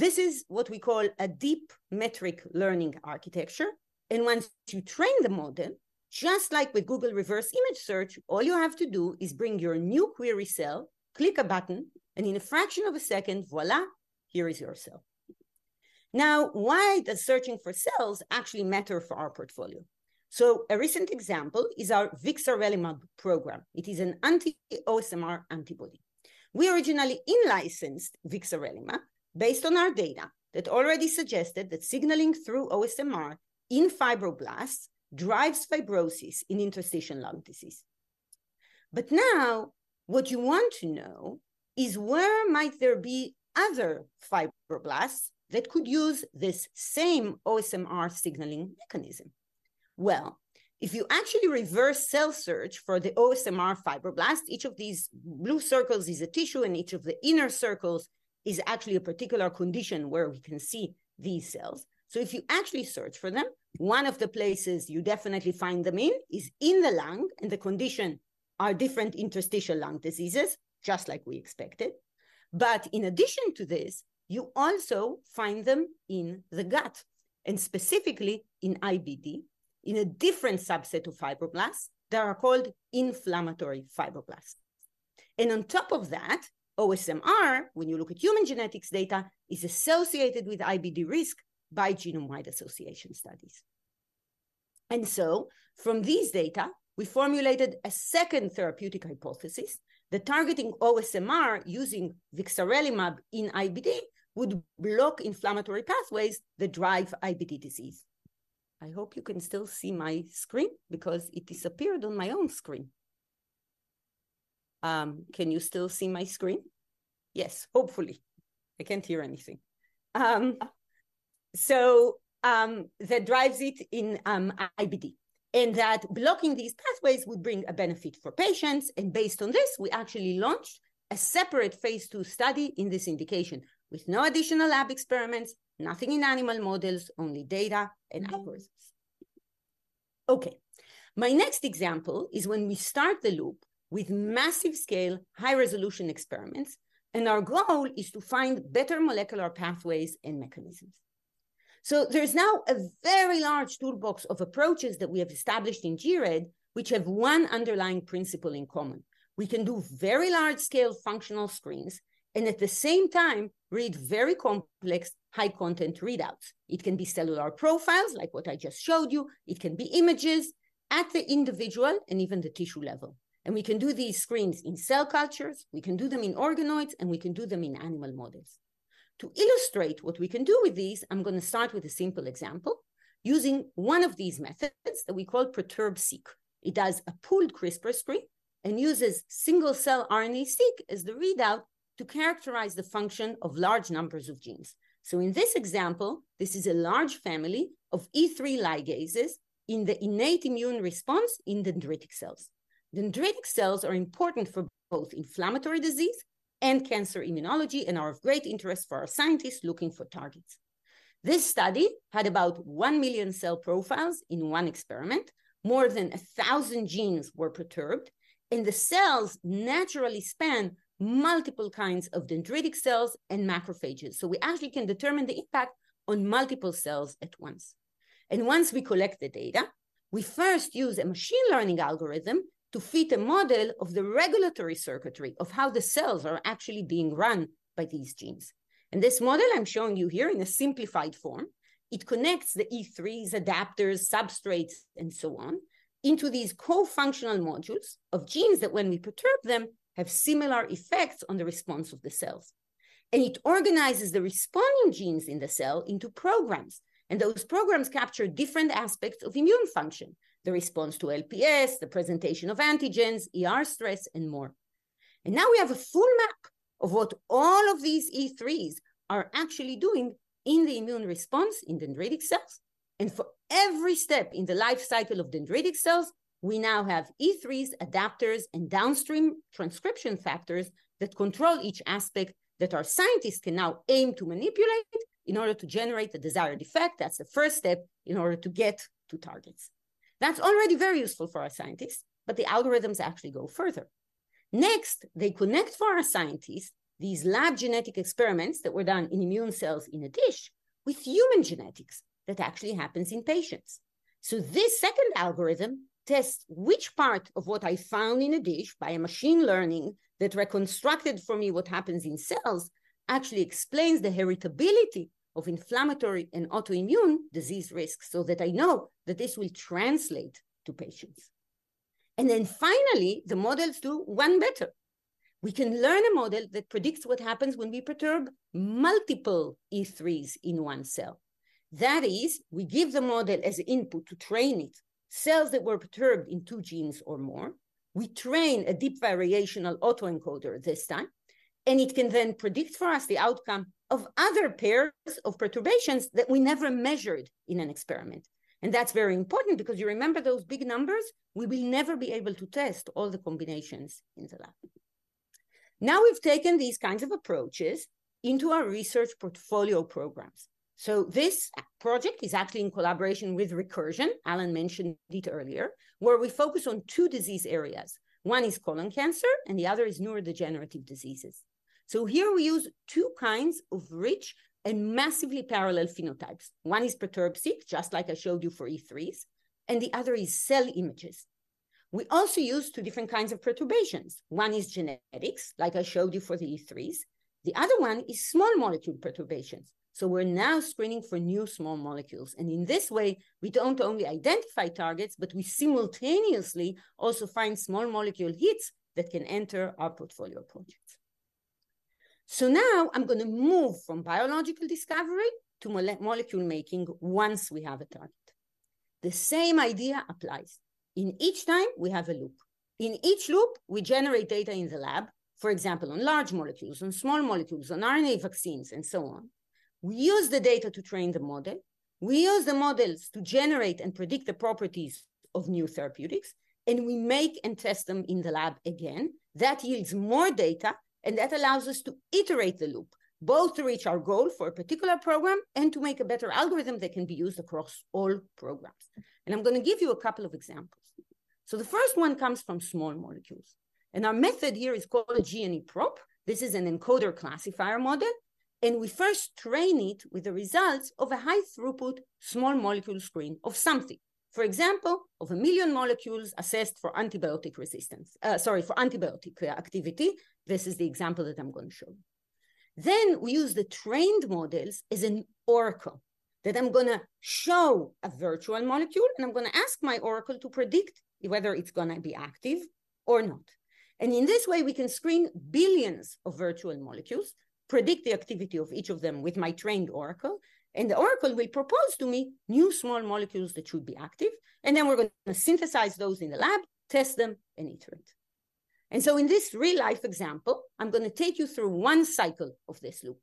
This is what we call a deep metric learning architecture, and once you train the model, just like with Google reverse image search, all you have to do is bring your new query cell, click a button, and in a fraction of a second, voila, here is your cell. Now, why does searching for cells actually matter for our portfolio? So a recent example is our vixarelimab program. It is an anti-OSMR antibody. We originally in-licensed vixarelimab based on our data that already suggested that signaling through OSMR in fibroblasts drives fibrosis in interstitial lung disease. But now, what you want to know is where might there be other fibroblasts that could use this same OSMR signaling mechanism? Well, if you actually reverse cell search for the OSMR fibroblast, each of these blue circles is a tissue, and each of the inner circles is actually a particular condition where we can see these cells. So if you actually search for them, one of the places you definitely find them in is in the lung, and the conditions are different interstitial lung diseases, just like we expected. But in addition to this, you also find them in the gut, and specifically in IBD, in a different subset of fibroblasts that are called inflammatory fibroblasts. And on top of that, OSMR, when you look at human genetics data, is associated with IBD risk by genome-wide association studies. And so from these data, we formulated a second therapeutic hypothesis that targeting OSMR using vixarelimab in IBD would block inflammatory pathways that drive IBD disease. I hope you can still see my screen, because it disappeared on my own screen. Can you still see my screen? Yes, hopefully. I can't hear anything. So, that drives it in IBD, and that blocking these pathways would bring a benefit for patients, and based on this, we actually launched a separate phase 2 study in this indication with no additional lab experiments, nothing in animal models, only data and algorithms. Okay. My next example is when we start the loop with massive scale, high resolution experiments, and our goal is to find better molecular pathways and mechanisms. So there's now a very large toolbox of approaches that we have established in gRED, which have one underlying principle in common. We can do very large scale functional screens, and at the same time read very complex, high content readouts. It can be cellular profiles, like what I just showed you. It can be images at the individual and even the tissue level, and we can do these screens in cell cultures, we can do them in organoids, and we can do them in animal models. To illustrate what we can do with these, I'm gonna start with a simple example using one of these methods that we call Perturb-seq. It does a pooled CRISPR screen and uses single-cell RNA-seq as the readout to characterize the function of large numbers of genes. So in this example, this is a large family of E3 ligases in the innate immune response in dendritic cells. Dendritic cells are important for both inflammatory disease and cancer immunology and are of great interest for our scientists looking for targets. This study had about 1 million cell profiles in one experiment. More than 1,000 genes were perturbed, and the cells naturally span multiple kinds of dendritic cells and macrophages. So we actually can determine the impact on multiple cells at once. And once we collect the data, we first use a machine learning algorithm to fit a model of the regulatory circuitry of how the cells are actually being run by these genes. This model I'm showing you here in a simplified form, it connects the E3's adapters, substrates, and so on, into these co-functional modules of genes that, when we perturb them, have similar effects on the response of the cells. It organizes the responding genes in the cell into programs, and those programs capture different aspects of immune function, the response to LPS, the presentation of antigens, ER stress, and more. Now we have a full map of what all of these E3s are actually doing in the immune response in dendritic cells. For every step in the life cycle of dendritic cells, we now have E3s, adapters, and downstream transcription factors that control each aspect that our scientists can now aim to manipulate in order to generate the desired effect. That's the first step in order to get to targets. That's already very useful for our scientists, but the algorithms actually go further. Next, they connect for our scientists these lab genetic experiments that were done in immune cells in a dish with human genetics that actually happens in patients. So this second algorithm tests which part of what I found in a dish by a machine learning that reconstructed for me what happens in cells, actually explains the heritability of inflammatory and autoimmune disease risks, so that I know that this will translate to patients. And then finally, the models do one better. We can learn a model that predicts what happens when we perturb multiple E3s in one cell. That is, we give the model as input to train it, cells that were perturbed in two genes or more. We train a deep variational autoencoder this time, and it can then predict for us the outcome of other pairs of perturbations that we never measured in an experiment. And that's very important because you remember those big numbers? We will never be able to test all the combinations in the lab. Now, we've taken these kinds of approaches into our research portfolio programs. So this project is actually in collaboration with Recursion, Alan mentioned it earlier, where we focus on two disease areas. One is colon cancer and the other is neurodegenerative diseases. So here we use two kinds of rich and massively parallel phenotypes. One is Perturb-seq, just like I showed you for E3s, and the other is cell images. We also use two different kinds of perturbations. One is genetics, like I showed you for the E3s, the other one is small molecule perturbations. So we're now screening for new small molecules, and in this way, we don't only identify targets, but we simultaneously also find small molecule hits that can enter our portfolio projects. So now I'm gonna move from biological discovery to molecule making once we have a target. The same idea applies. In each time, we have a loop. In each loop, we generate data in the lab, for example, on large molecules, on small molecules, on RNA vaccines, and so on. We use the data to train the model. We use the models to generate and predict the properties of new therapeutics, and we make and test them in the lab again. That yields more data, and that allows us to iterate the loop, both to reach our goal for a particular program and to make a better algorithm that can be used across all programs. I'm gonna give you a couple of examples. The first one comes from small molecules, and our method here is called GNE-Prop. This is an encoder classifier model, and we first train it with the results of a high-throughput small molecule screen of something. For example, of 1 million molecules assessed for antibiotic resistance, sorry, for antibiotic activity. This is the example that I'm going to show. Then we use the trained models as an oracle, that I'm gonna show a virtual molecule, and I'm gonna ask my oracle to predict whether it's gonna be active or not. In this way, we can screen billions of virtual molecules, predict the activity of each of them with my trained oracle, and the oracle will propose to me new small molecules that should be active, and then we're going to synthesize those in the lab, test them, and iterate. So in this real-life example, I'm gonna take you through one cycle of this loop.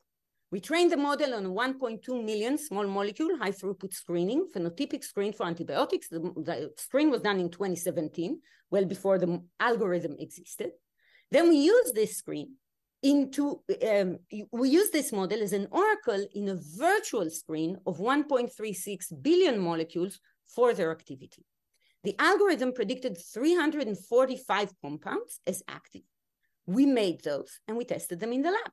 We train the model on 1.2 million small molecule, high-throughput screening, phenotypic screen for antibiotics. The screen was done in 2017, well before the algorithm existed. We use this model as an oracle in a virtual screen of 1.36 billion molecules for their activity. The algorithm predicted 345 compounds as active. We made those, and we tested them in the lab,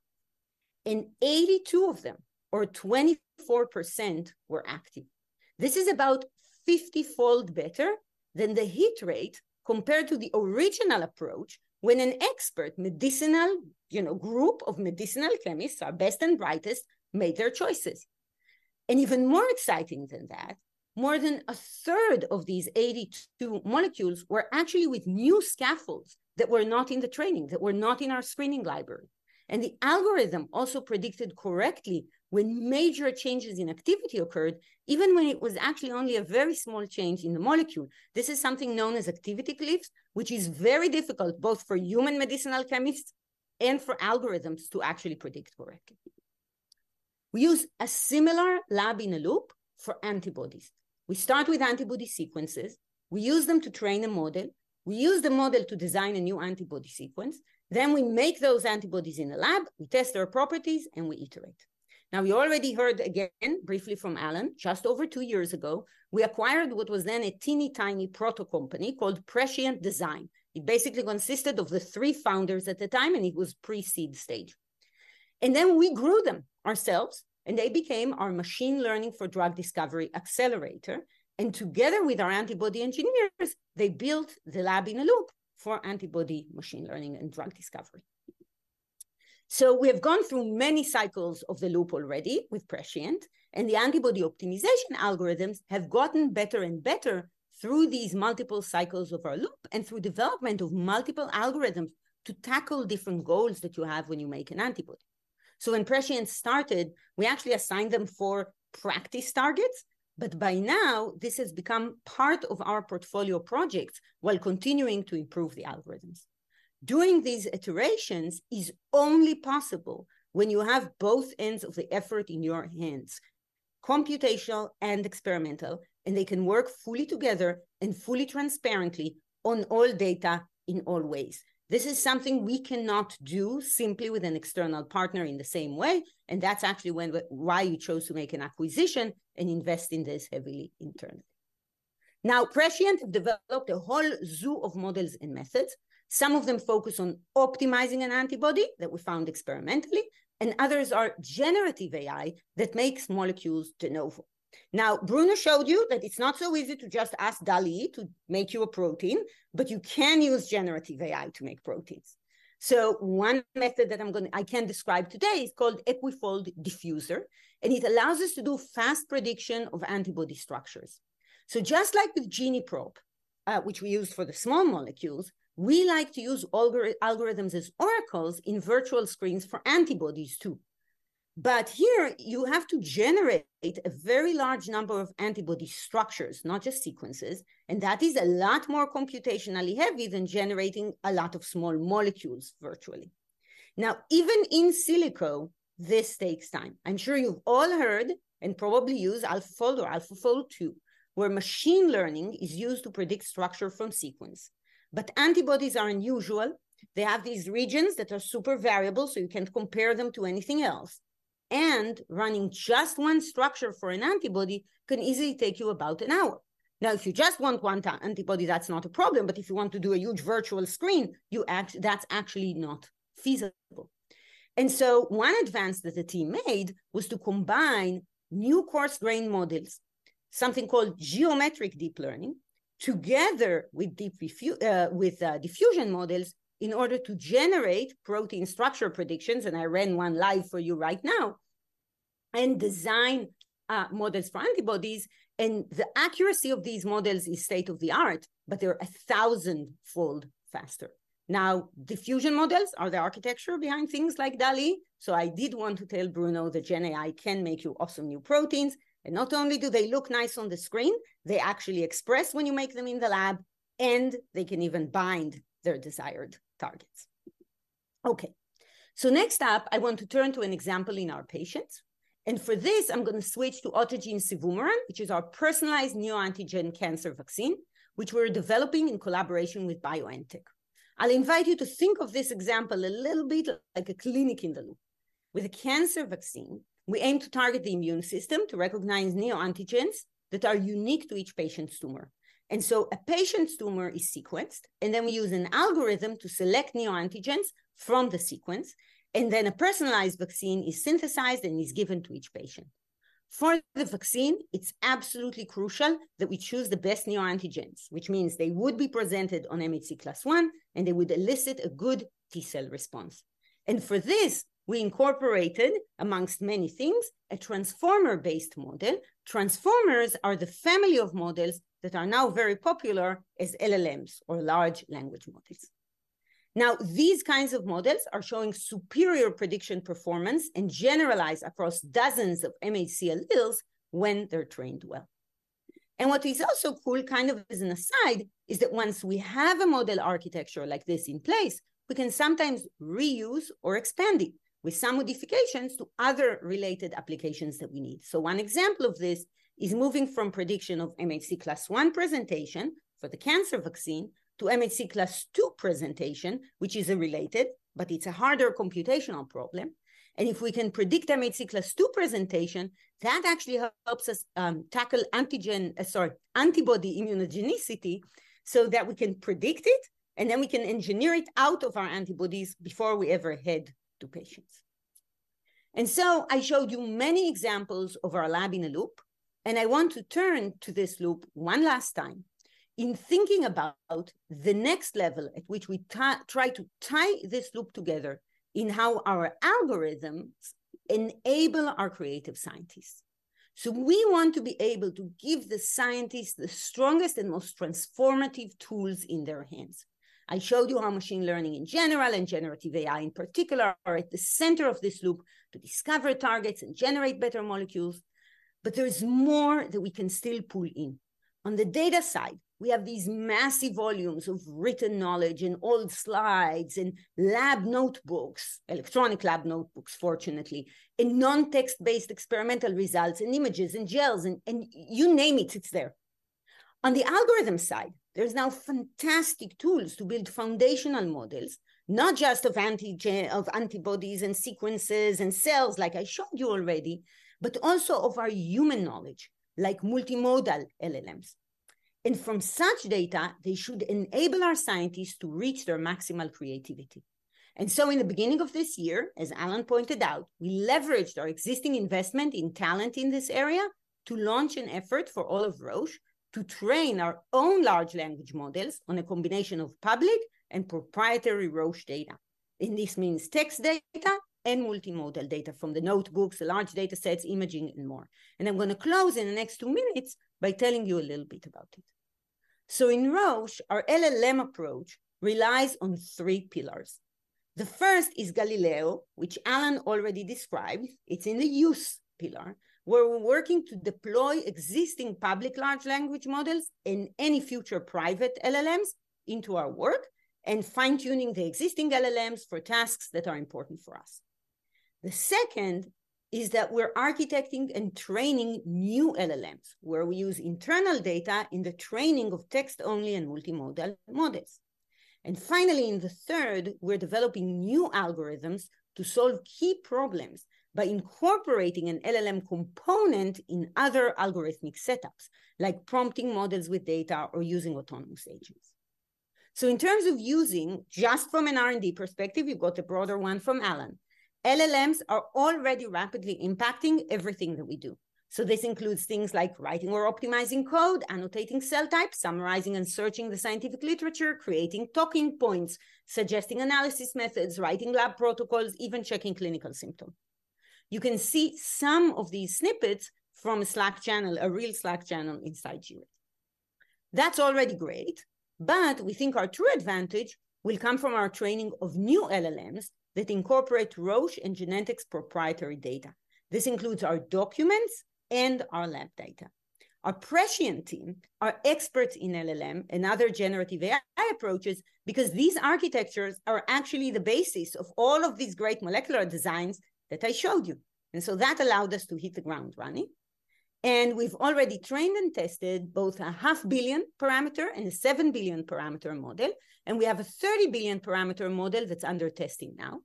and 82 of them, or 24%, were active. This is about 50-fold better than the hit rate compared to the original approach when an expert medicinal group of medicinal chemists, our best and brightest, made their choices. And even more exciting than that, more than a third of these 82 molecules were actually with new scaffolds that were not in the training, that were not in our screening library. And the algorithm also predicted correctly when major changes in activity occurred, even when it was actually only a very small change in the molecule. This is something known as activity cliffs, which is very difficult, both for human medicinal chemists and for algorithms, to actually predict correctly. We use a similar Lab in a Loop for antibodies. We start with antibody sequences. We use them to train the model. We use the model to design a new antibody sequence. Then we make those antibodies in the lab, we test their properties, and we iterate. Now, we already heard again briefly from Alan, just over two years ago, we acquired what was then a teeny-tiny proto company called Prescient Design. It basically consisted of the three founders at the time, and it was pre-seed stage. And then we grew them ourselves, and they became our machine learning for drug discovery accelerator, and together with our antibody engineers, they built the lab in a loop for antibody machine learning and drug discovery. So we have gone through many cycles of the loop already with Prescient, and the antibody optimization algorithms have gotten better and better through these multiple cycles of our loop and through development of multiple algorithms to tackle different goals that you have when you make an antibody. So when Prescient started, we actually assigned them four practice targets, but by now, this has become part of our portfolio projects while continuing to improve the algorithms. Doing these iterations is only possible when you have both ends of the effort in your hands, computational and experimental, and they can work fully together and fully transparently on all data in all ways. This is something we cannot do simply with an external partner in the same way, and that's actually why we chose to make an acquisition and invest in this heavily internally. Now, Prescient developed a whole zoo of models and methods. Some of them focus on optimizing an antibody that we found experimentally, and others are generative AI that makes molecules de novo. Now, Bruno showed you that it's not so easy to just ask DALL-E to make you a protein, but you can use generative AI to make proteins. So one method that I can describe today is called EquiFold Diffuser, and it allows us to do fast prediction of antibody structures. So just like with GenPro, which we use for the small molecules, we like to use algorithms as oracles in virtual screens for antibodies, too. But here, you have to generate a very large number of antibody structures, not just sequences, and that is a lot more computationally heavy than generating a lot of small molecules virtually. Now, even in silico, this takes time. I'm sure you've all heard and probably use AlphaFold or AlphaFold 2, where machine learning is used to predict structure from sequence. But antibodies are unusual. They have these regions that are super variable, so you can't compare them to anything else, and running just one structure for an antibody can easily take you about an hour. Now, if you just want one antibody, that's not a problem, but if you want to do a huge virtual screen, that's actually not feasible. And so one advance that the team made was to combine new coarse-grain models, something called geometric deep learning, together with diffusion models in order to generate protein structure predictions, and I ran one live for you right now, and design models for antibodies. And the accuracy of these models is state-of-the-art, but they're a thousandfold faster. Now, diffusion models are the architecture behind things like DALL-E, so I did want to tell Bruno that Gen AI can make you awesome new proteins, and not only do they look nice on the screen, they actually express when you make them in the lab, and they can even bind their desired targets. Okay, so next up, I want to turn to an example in our patients, and for this, I'm going to switch to autogene cevumeran, which is our personalized neoantigen cancer vaccine, which we're developing in collaboration with BioNTech. I'll invite you to think of this example a little bit like a clinic in the loop. With a cancer vaccine, we aim to target the immune system to recognize neoantigens that are unique to each patient's tumor. A patient's tumor is sequenced, and then we use an algorithm to select Neoantigens from the sequence, and then a personalized vaccine is synthesized and is given to each patient. For the vaccine, it's absolutely crucial that we choose the best Neoantigens, which means they would be presented on MHC class I, and they would elicit a good T-cell response. And for this, we incorporated, amongst many things, a Transformer-based model. Transformers are the family of models that are now very popular as LLMs, or large language models. Now, these kinds of models are showing superior prediction performance and generalize across dozens of MHC alleles when they're trained well. And what is also cool, kind of as an aside, is that once we have a model architecture like this in place, we can sometimes reuse or expand it, with some modifications, to other related applications that we need. So one example of this is moving from prediction of MHC class one presentation for the cancer vaccine to MHC class II presentation, which is unrelated, but it's a harder computational problem. If we can predict MHC class II presentation, that actually helps us tackle antigen, sorry, antibody immunogenicity so that we can predict it, and then we can engineer it out of our antibodies before we ever head to patients. So I showed you many examples of our Lab in a Loop, and I want to turn to this loop one last time in thinking about the next level at which we try to tie this loop together in how our algorithms enable our creative scientists. We want to be able to give the scientists the strongest and most transformative tools in their hands. I showed you how machine learning in general and generative AI, in particular, are at the center of this loop to discover targets and generate better molecules, but there is more that we can still pull in. On the data side, we have these massive volumes of written knowledge and old slides and lab notebooks, electronic lab notebooks, fortunately, and non-text-based experimental results and images and gels, and you name it, it's there. On the algorithm side, there's now fantastic tools to build foundational models, not just of antibodies and sequences and cells, like I showed you already, but also of our human knowledge, like multimodal LLMs. From such data, they should enable our scientists to reach their maximal creativity. So in the beginning of this year, as Alan pointed out, we leveraged our existing investment in talent in this area to launch an effort for all of Roche to train our own large language models on a combination of public and proprietary Roche data. And this means text data and multimodal data from the notebooks, the large data sets, imaging, and more. And I'm going to close in the next 2 minutes by telling you a little bit about it.... So in Roche, our LLM approach relies on three pillars. The first is Galileo, which Alan already described. It's in the use pillar, where we're working to deploy existing public large language models and any future private LLMs into our work, and fine-tuning the existing LLMs for tasks that are important for us. The second is that we're architecting and training new LLMs, where we use internal data in the training of text-only and multimodal models. And finally, in the third, we're developing new algorithms to solve key problems by incorporating an LLM component in other algorithmic setups, like prompting models with data or using autonomous agents. So in terms of using, just from an R&D perspective, you've got a broader one from Alan. LLMs are already rapidly impacting everything that we do. So this includes things like writing or optimizing code, annotating cell types, summarizing and searching the scientific literature, creating talking points, suggesting analysis methods, writing lab protocols, even checking clinical symptoms. You can see some of these snippets from a Slack channel, a real Slack channel inside Roche. That's already great, but we think our true advantage will come from our training of new LLMs that incorporate Roche and Genentech's proprietary data. This includes our documents and our lab data. Our Prescient team are experts in LLM and other generative AI approaches because these architectures are actually the basis of all of these great molecular designs that I showed you, and so that allowed us to hit the ground running. And we've already trained and tested both a 0.5 billion parameter and a 7 billion parameter model, and we have a 30 billion parameter model that's under testing now.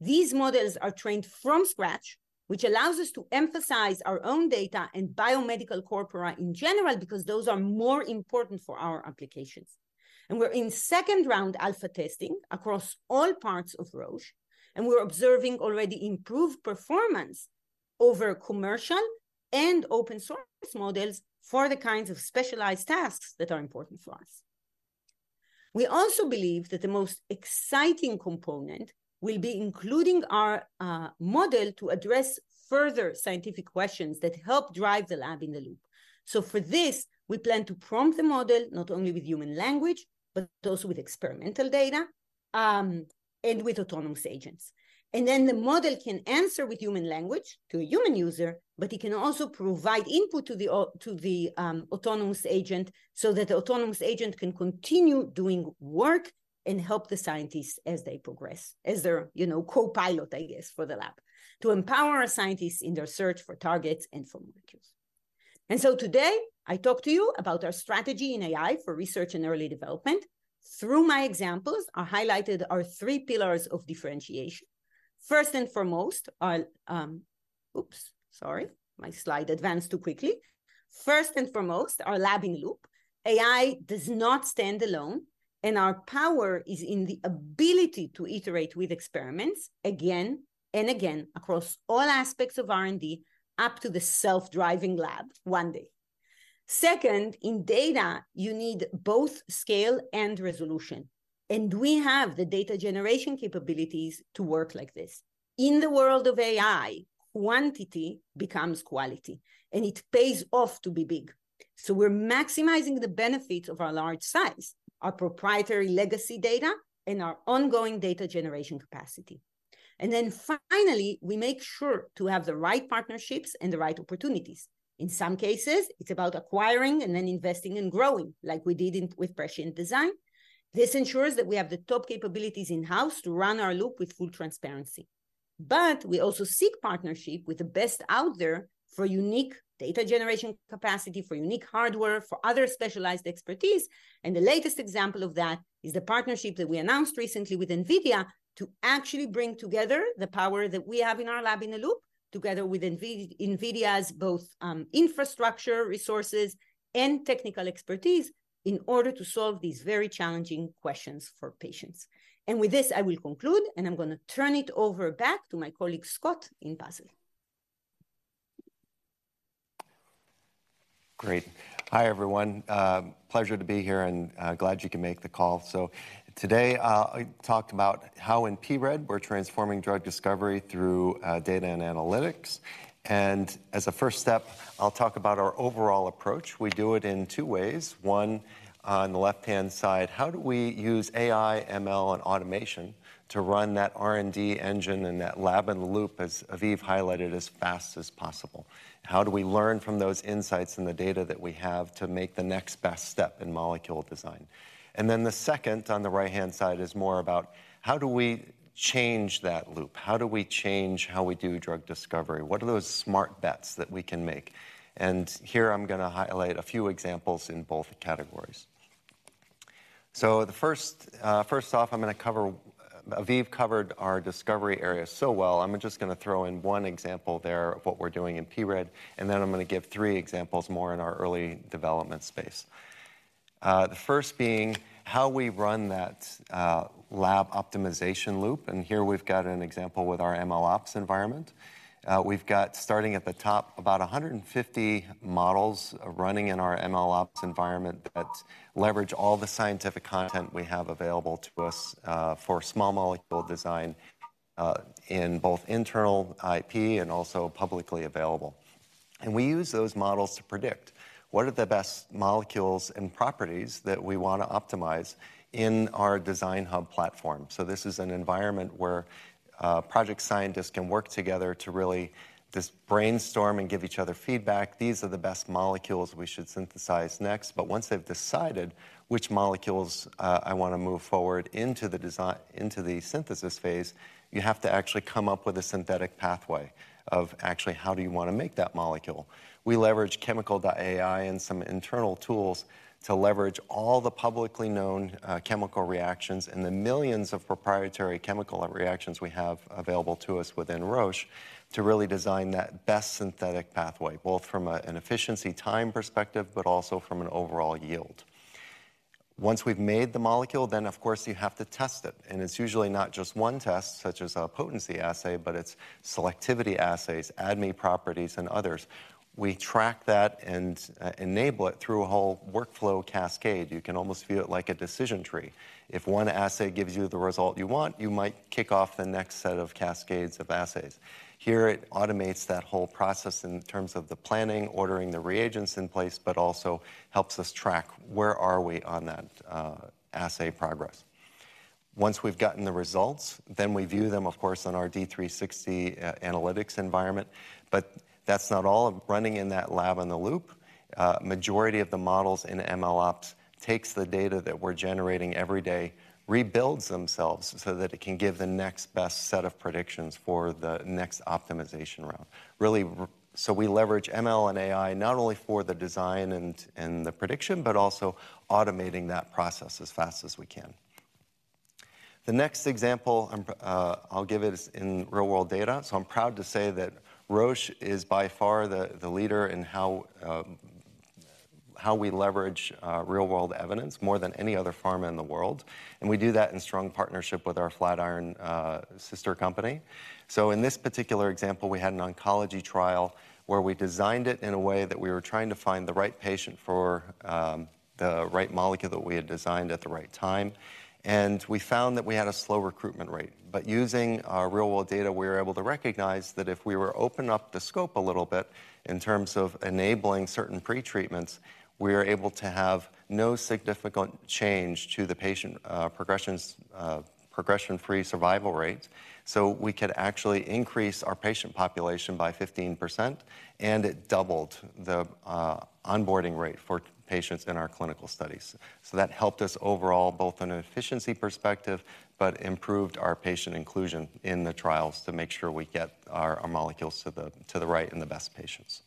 These models are trained from scratch, which allows us to emphasize our own data and biomedical corpora in general, because those are more important for our applications. We're in second round alpha testing across all parts of Roche, and we're observing already improved performance over commercial and open source models for the kinds of specialized tasks that are important for us. We also believe that the most exciting component will be including our model to address further scientific questions that help drive the lab in the loop. For this, we plan to prompt the model not only with human language, but also with experimental data, and with autonomous agents. Then the model can answer with human language to a human user, but it can also provide input to the autonomous agent, so that the autonomous agent can continue doing work and help the scientists as they progress, as their copilot, I guess, for the lab, to empower our scientists in their search for targets and for molecules. So today, I talked to you about our strategy in AI for research and early development. Through my examples, I highlighted our three pillars of differentiation. First and foremost, our... Oops, sorry. My slide advanced too quickly. First and foremost, our lab-in-a-loop. AI does not stand alone, and our power is in the ability to iterate with experiments again and again across all aspects of R&D, up to the self-driving lab one day. Second, in data, you need both scale and resolution, and we have the data generation capabilities to work like this. In the world of AI, quantity becomes quality, and it pays off to be big. So we're maximizing the benefits of our large size, our proprietary legacy data, and our ongoing data generation capacity. And then finally, we make sure to have the right partnerships and the right opportunities. In some cases, it's about acquiring and then investing and growing, like we did in, with Prescient Design. This ensures that we have the top capabilities in-house to run our loop with full transparency. But we also seek partnership with the best out there for unique data generation capacity, for unique hardware, for other specialized expertise. The latest example of that is the partnership that we announced recently with NVIDIA to actually bring together the power that we have in our lab in the loop, together with NVIDIA's both infrastructure, resources, and technical expertise in order to solve these very challenging questions for patients. With this, I will conclude, and I'm gonna turn it over back to my colleague, Scott, in person. Great. Hi, everyone. Pleasure to be here, and glad you could make the call. So today, I'll talk about how in pRED, we're transforming drug discovery through data and analytics. And as a first step, I'll talk about our overall approach. We do it in two ways: one, on the left-hand side, how do we use AI, ML, and automation to run that R&D engine and that Lab in a Loop, as Aviv highlighted, as fast as possible? How do we learn from those insights and the data that we have to make the next best step in molecule design? And then the second, on the right-hand side, is more about how do we change that loop? How do we change how we do drug discovery? What are those smart bets that we can make? And here, I'm gonna highlight a few examples in both categories. So the first, first off, I'm gonna cover—Aviv covered our discovery area so well. I'm just gonna throw in one example there of what we're doing in pRED, and then I'm gonna give three examples more in our early development space. The first being how we run that, lab optimization loop, and here we've got an example with our MLOps environment. We've got, starting at the top, about 150 models running in our MLOps environment that leverage all the scientific content we have available to us, for small molecule design, in both internal IP and also publicly available. And we use those models to predict what are the best molecules and properties that we want to optimize in our Design Hub platform. So this is an environment where project scientists can work together to really just brainstorm and give each other feedback. These are the best molecules we should synthesize next. But once they've decided which molecules I want to move forward into the synthesis phase, you have to actually come up with a synthetic pathway of actually how do you want to make that molecule? We leverage Chemical.AI and some internal tools to leverage all the publicly known chemical reactions and the millions of proprietary chemical reactions we have available to us within Roche to really design that best synthetic pathway, both from an efficiency time perspective, but also from an overall yield. Once we've made the molecule, then, of course, you have to test it. It's usually not just one test, such as a potency assay, but it's selectivity assays, ADME properties, and others. We track that and enable it through a whole workflow cascade. You can almost view it like a decision tree. If one assay gives you the result you want, you might kick off the next set of cascades of assays. Here, it automates that whole process in terms of the planning, ordering the reagents in place, but also helps us track where are we on that, assay progress. Once we've gotten the results, then we view them, of course, on our D360 analytics environment. But that's not all running in that lab in the loop. Majority of the models in MLOps takes the data that we're generating every day, rebuilds themselves, so that it can give the next best set of predictions for the next optimization round. Really, so we leverage ML and AI not only for the design and the prediction, but also automating that process as fast as we can. The next example I'll give is in real-world data. So I'm proud to say that Roche is by far the leader in how we leverage real-world evidence more than any other pharma in the world, and we do that in strong partnership with our Flatiron sister company. So in this particular example, we had an oncology trial where we designed it in a way that we were trying to find the right patient for, the right molecule that we had designed at the right time, and we found that we had a slow recruitment rate. But using our real-world data, we were able to recognize that if we were open up the scope a little bit in terms of enabling certain pretreatments, we are able to have no significant change to the patient, progressions, progression-free survival rates. So we could actually increase our patient population by 15%, and it doubled the, onboarding rate for patients in our clinical studies. So that helped us overall, both in an efficiency perspective, but improved our patient inclusion in the trials to make sure we get our, our molecules to the, to the right and the best patients.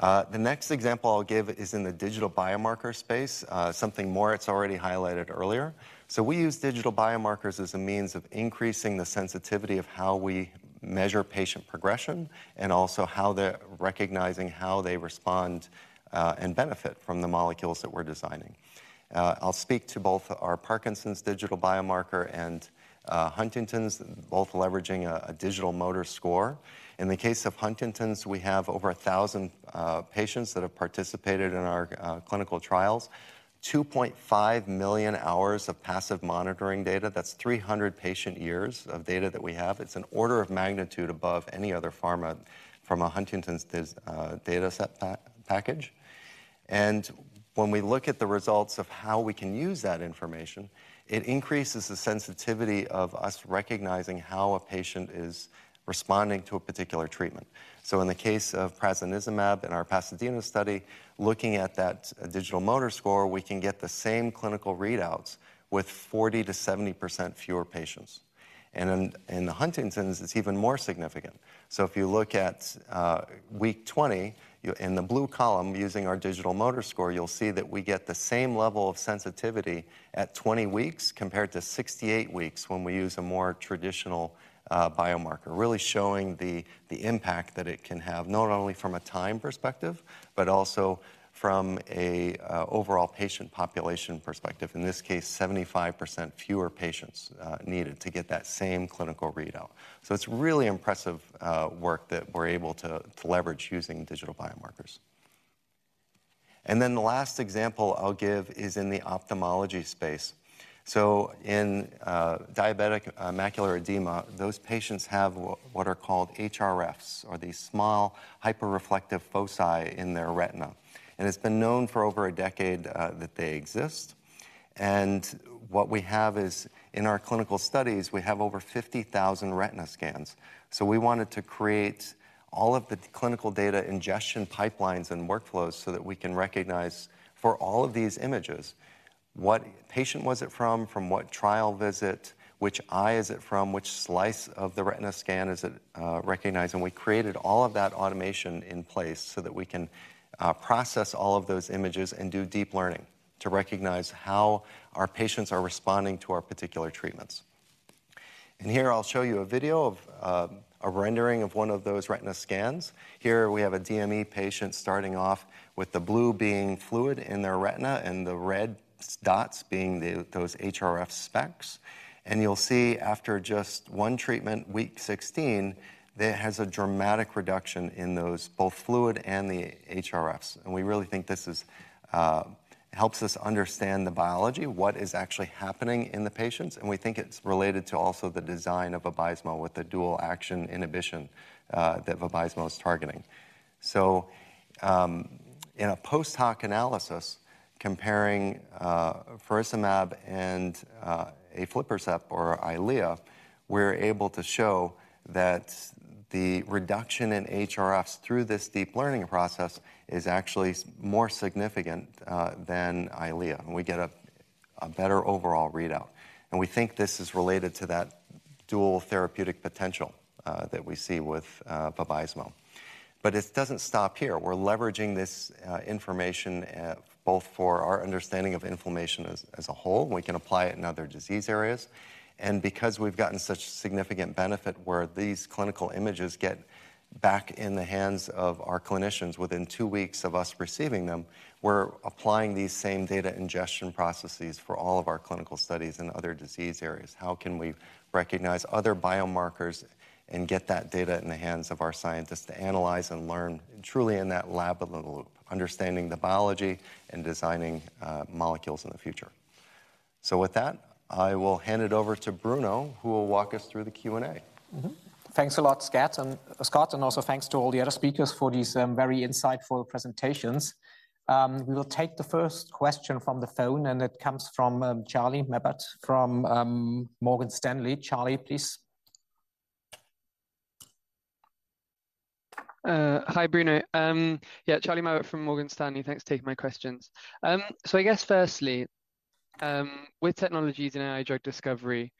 The next example I'll give is in the digital biomarker space, something Moritz already highlighted earlier. So we use digital biomarkers as a means of increasing the sensitivity of how we measure patient progression, and also how they're recognizing how they respond, and benefit from the molecules that we're designing. I'll speak to both our Parkinson's digital biomarker and, Huntington's, both leveraging a, a digital motor score. In the case of Huntington's, we have over 1,000 patients that have participated in our clinical trials, 2.5 million hours of passive monitoring data. That's 300 patient years of data that we have. It's an order of magnitude above any other pharma from a Huntington's dataset package. And when we look at the results of how we can use that information, it increases the sensitivity of us recognizing how a patient is responding to a particular treatment. So in the case of prasinezumab, in our Pasadena study, looking at that digital motor score, we can get the same clinical readouts with 40%-70% fewer patients. And in the Huntington's, it's even more significant. So if you look at week 20, in the blue column, using our digital motor score, you'll see that we get the same level of sensitivity at 20 weeks, compared to 68 weeks when we use a more traditional biomarker, really showing the impact that it can have, not only from a time perspective, but also from an overall patient population perspective. In this case, 75% fewer patients needed to get that same clinical readout. So it's really impressive work that we're able to leverage using digital biomarkers. And then the last example I'll give is in the ophthalmology space. So in diabetic macular edema, those patients have what are called HRFs, or these small hyperreflective foci in their retina. And it's been known for over a decade that they exist. What we have is, in our clinical studies, we have over 50,000 retina scans. We wanted to create all of the clinical data ingestion pipelines and workflows so that we can recognize for all of these images, what patient was it from, from what trial visit, which eye is it from, which slice of the retina scan is it recognized? We created all of that automation in place so that we can process all of those images and do deep learning to recognize how our patients are responding to our particular treatments. Here I'll show you a video of a rendering of one of those retina scans. Here we have a DME patient starting off with the blue being fluid in their retina and the red dots being those HRF specks. You'll see after just one treatment, week 16, that it has a dramatic reduction in those, both fluid and the HRFs. We really think this is helps us understand the biology, what is actually happening in the patients, and we think it's related to also the design of Vabysmo with the dual action inhibition that Vabysmo is targeting. So, in a post-hoc analysis comparing faricimab and aflibercept or Eylea, we're able to show that the reduction in HRFs through this deep learning process is actually more significant than Eylea, and we get a better overall readout. We think this is related to that dual therapeutic potential that we see with Vabysmo. But it doesn't stop here. We're leveraging this information both for our understanding of inflammation as a whole. We can apply it in other disease areas. Because we've gotten such significant benefit where these clinical images get back in the hands of our clinicians within two weeks of us receiving them, we're applying these same data ingestion processes for all of our clinical studies in other disease areas. How can we recognize other biomarkers and get that data in the hands of our scientists to analyze and learn truly in that Lab in a Loop, understanding the biology and designing molecules in the future? So with that, I will hand it over to Bruno, who will walk us through the Q&A. Thanks a lot, Scott, and also thanks to all the other speakers for these very insightful presentations. We will take the first question from the phone, and it comes from Charlie Mabbutt from Morgan Stanley. Charlie, please. Hi, Bruno. Yeah, Charlie Mabbutt from Morgan Stanley. Thanks for taking my questions. So I guess firstly, with technologies in AI drug discovery,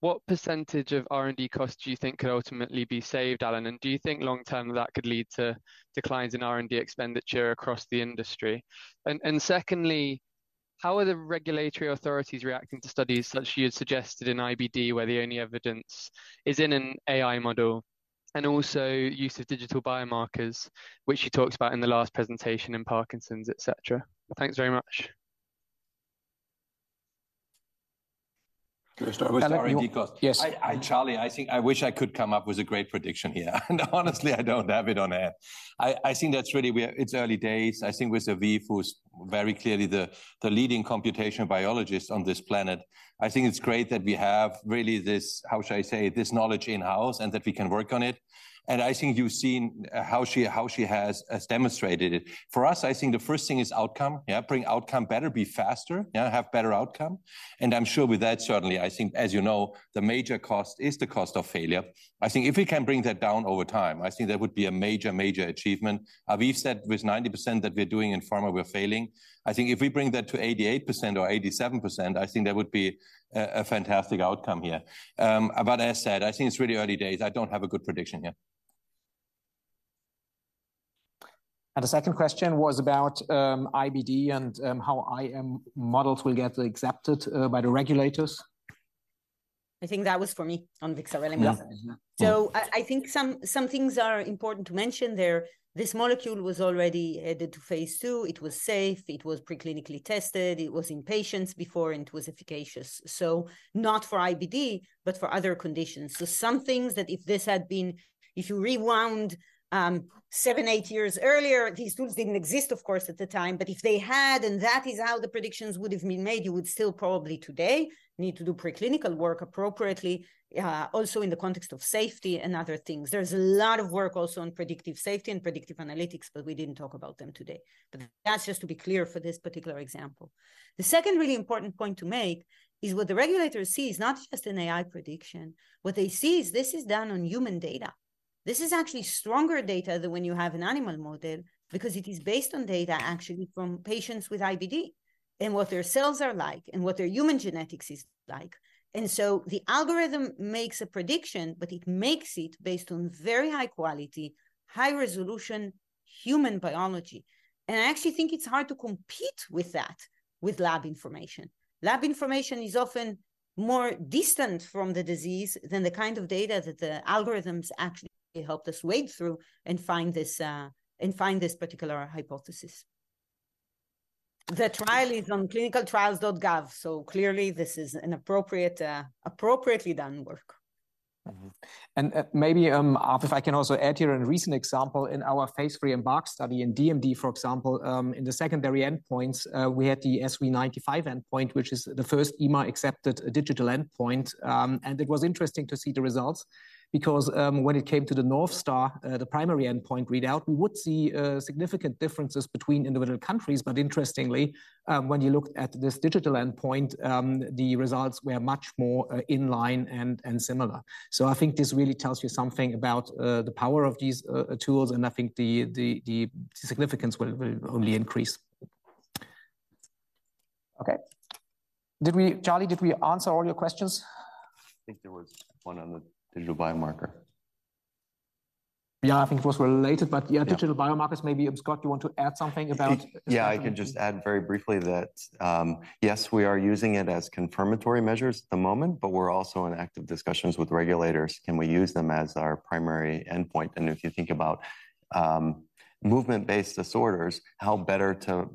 what percentage of R&D costs do you think could ultimately be saved, Alan? And do you think long-term that could lead to declines in R&D expenditure across the industry? And secondly, how are the regulatory authorities reacting to studies such as you had suggested in IBD, where the only evidence is in an AI model, and also use of digital biomarkers, which you talked about in the last presentation in Parkinson's, et cetera? Thanks very much. Can I start with R&D cost? Yes. Charlie, I think I wish I could come up with a great prediction here, and honestly, I don't have it on hand. I think that's really it's early days. I think with Aviv, who's very clearly the leading computational biologist on this planet, I think it's great that we have really this, how should I say, this knowledge in-house, and that we can work on it. And I think you've seen how she has demonstrated it. For us, I think the first thing is outcome. Yeah, bring outcome better, be faster, yeah, have better outcome. And I'm sure with that, certainly, I think, as you know, the major cost is the cost of failure. I think if we can bring that down over time, I think that would be a major, major achievement. Aviv said with 90% that we're doing in pharma, we're failing. I think if we bring that to 88% or 87%, I think that would be a, a fantastic outcome here. But as I said, I think it's really early days. I don't have a good prediction yet. The second question was about IBD and how AI models will get accepted by the regulators. I think that was for me on vixarelimab. Yeah. So I think some things are important to mention there. This molecule was already added to phase II. It was safe, it was preclinically tested, it was in patients before, and it was efficacious. So not for IBD, but for other conditions. So some things that if this had been, if you rewound 7, 8 years earlier, these tools didn't exist, of course, at the time. But if they had, and that is how the predictions would have been made, you would still probably today need to do preclinical work appropriately, also in the context of safety and other things. There's a lot of work also on predictive safety and predictive analytics, but we didn't talk about them today. But that's just to be clear for this particular example. The second really important point to make is what the regulator sees, not just an AI prediction. What they see is this is done on human data. This is actually stronger data than when you have an animal model because it is based on data actually from patients with IBD, and what their cells are like and what their human genetics is like. And so the algorithm makes a prediction, but it makes it based on very high quality, high resolution human biology. And I actually think it's hard to compete with that, with lab information. Lab information is often more distant from the disease than the kind of data that the algorithms actually help us wade through and find this, and find this particular hypothesis. The trial is on clinicaltrials.gov, so clearly this is an appropriate, appropriately done work. And, maybe, if I can also add here a recent example in our phase III EMBARK study in DMD, for example, in the secondary endpoints, we had the SV95C endpoint, which is the first EMA-accepted digital endpoint. And it was interesting to see the results because, when it came to the North Star, the primary endpoint readout, we would see, significant differences between individual countries. But interestingly, when you look at this digital endpoint, the results were much more, in line and, and similar. So I think this really tells you something about, the power of these, tools, and I think the, the, the significance will, will only increase. Okay. Did we, Charlie, did we answer all your questions? I think there was one on the digital biomarker. Yeah, I think it was related, but, yeah, digital biomarkers, maybe, Scott, you want to add something about- Yeah, I can just add very briefly that, yes, we are using it as confirmatory measures at the moment, but we're also in active discussions with regulators. Can we use them as our primary endpoint? And if you think about movement-based disorders, how better to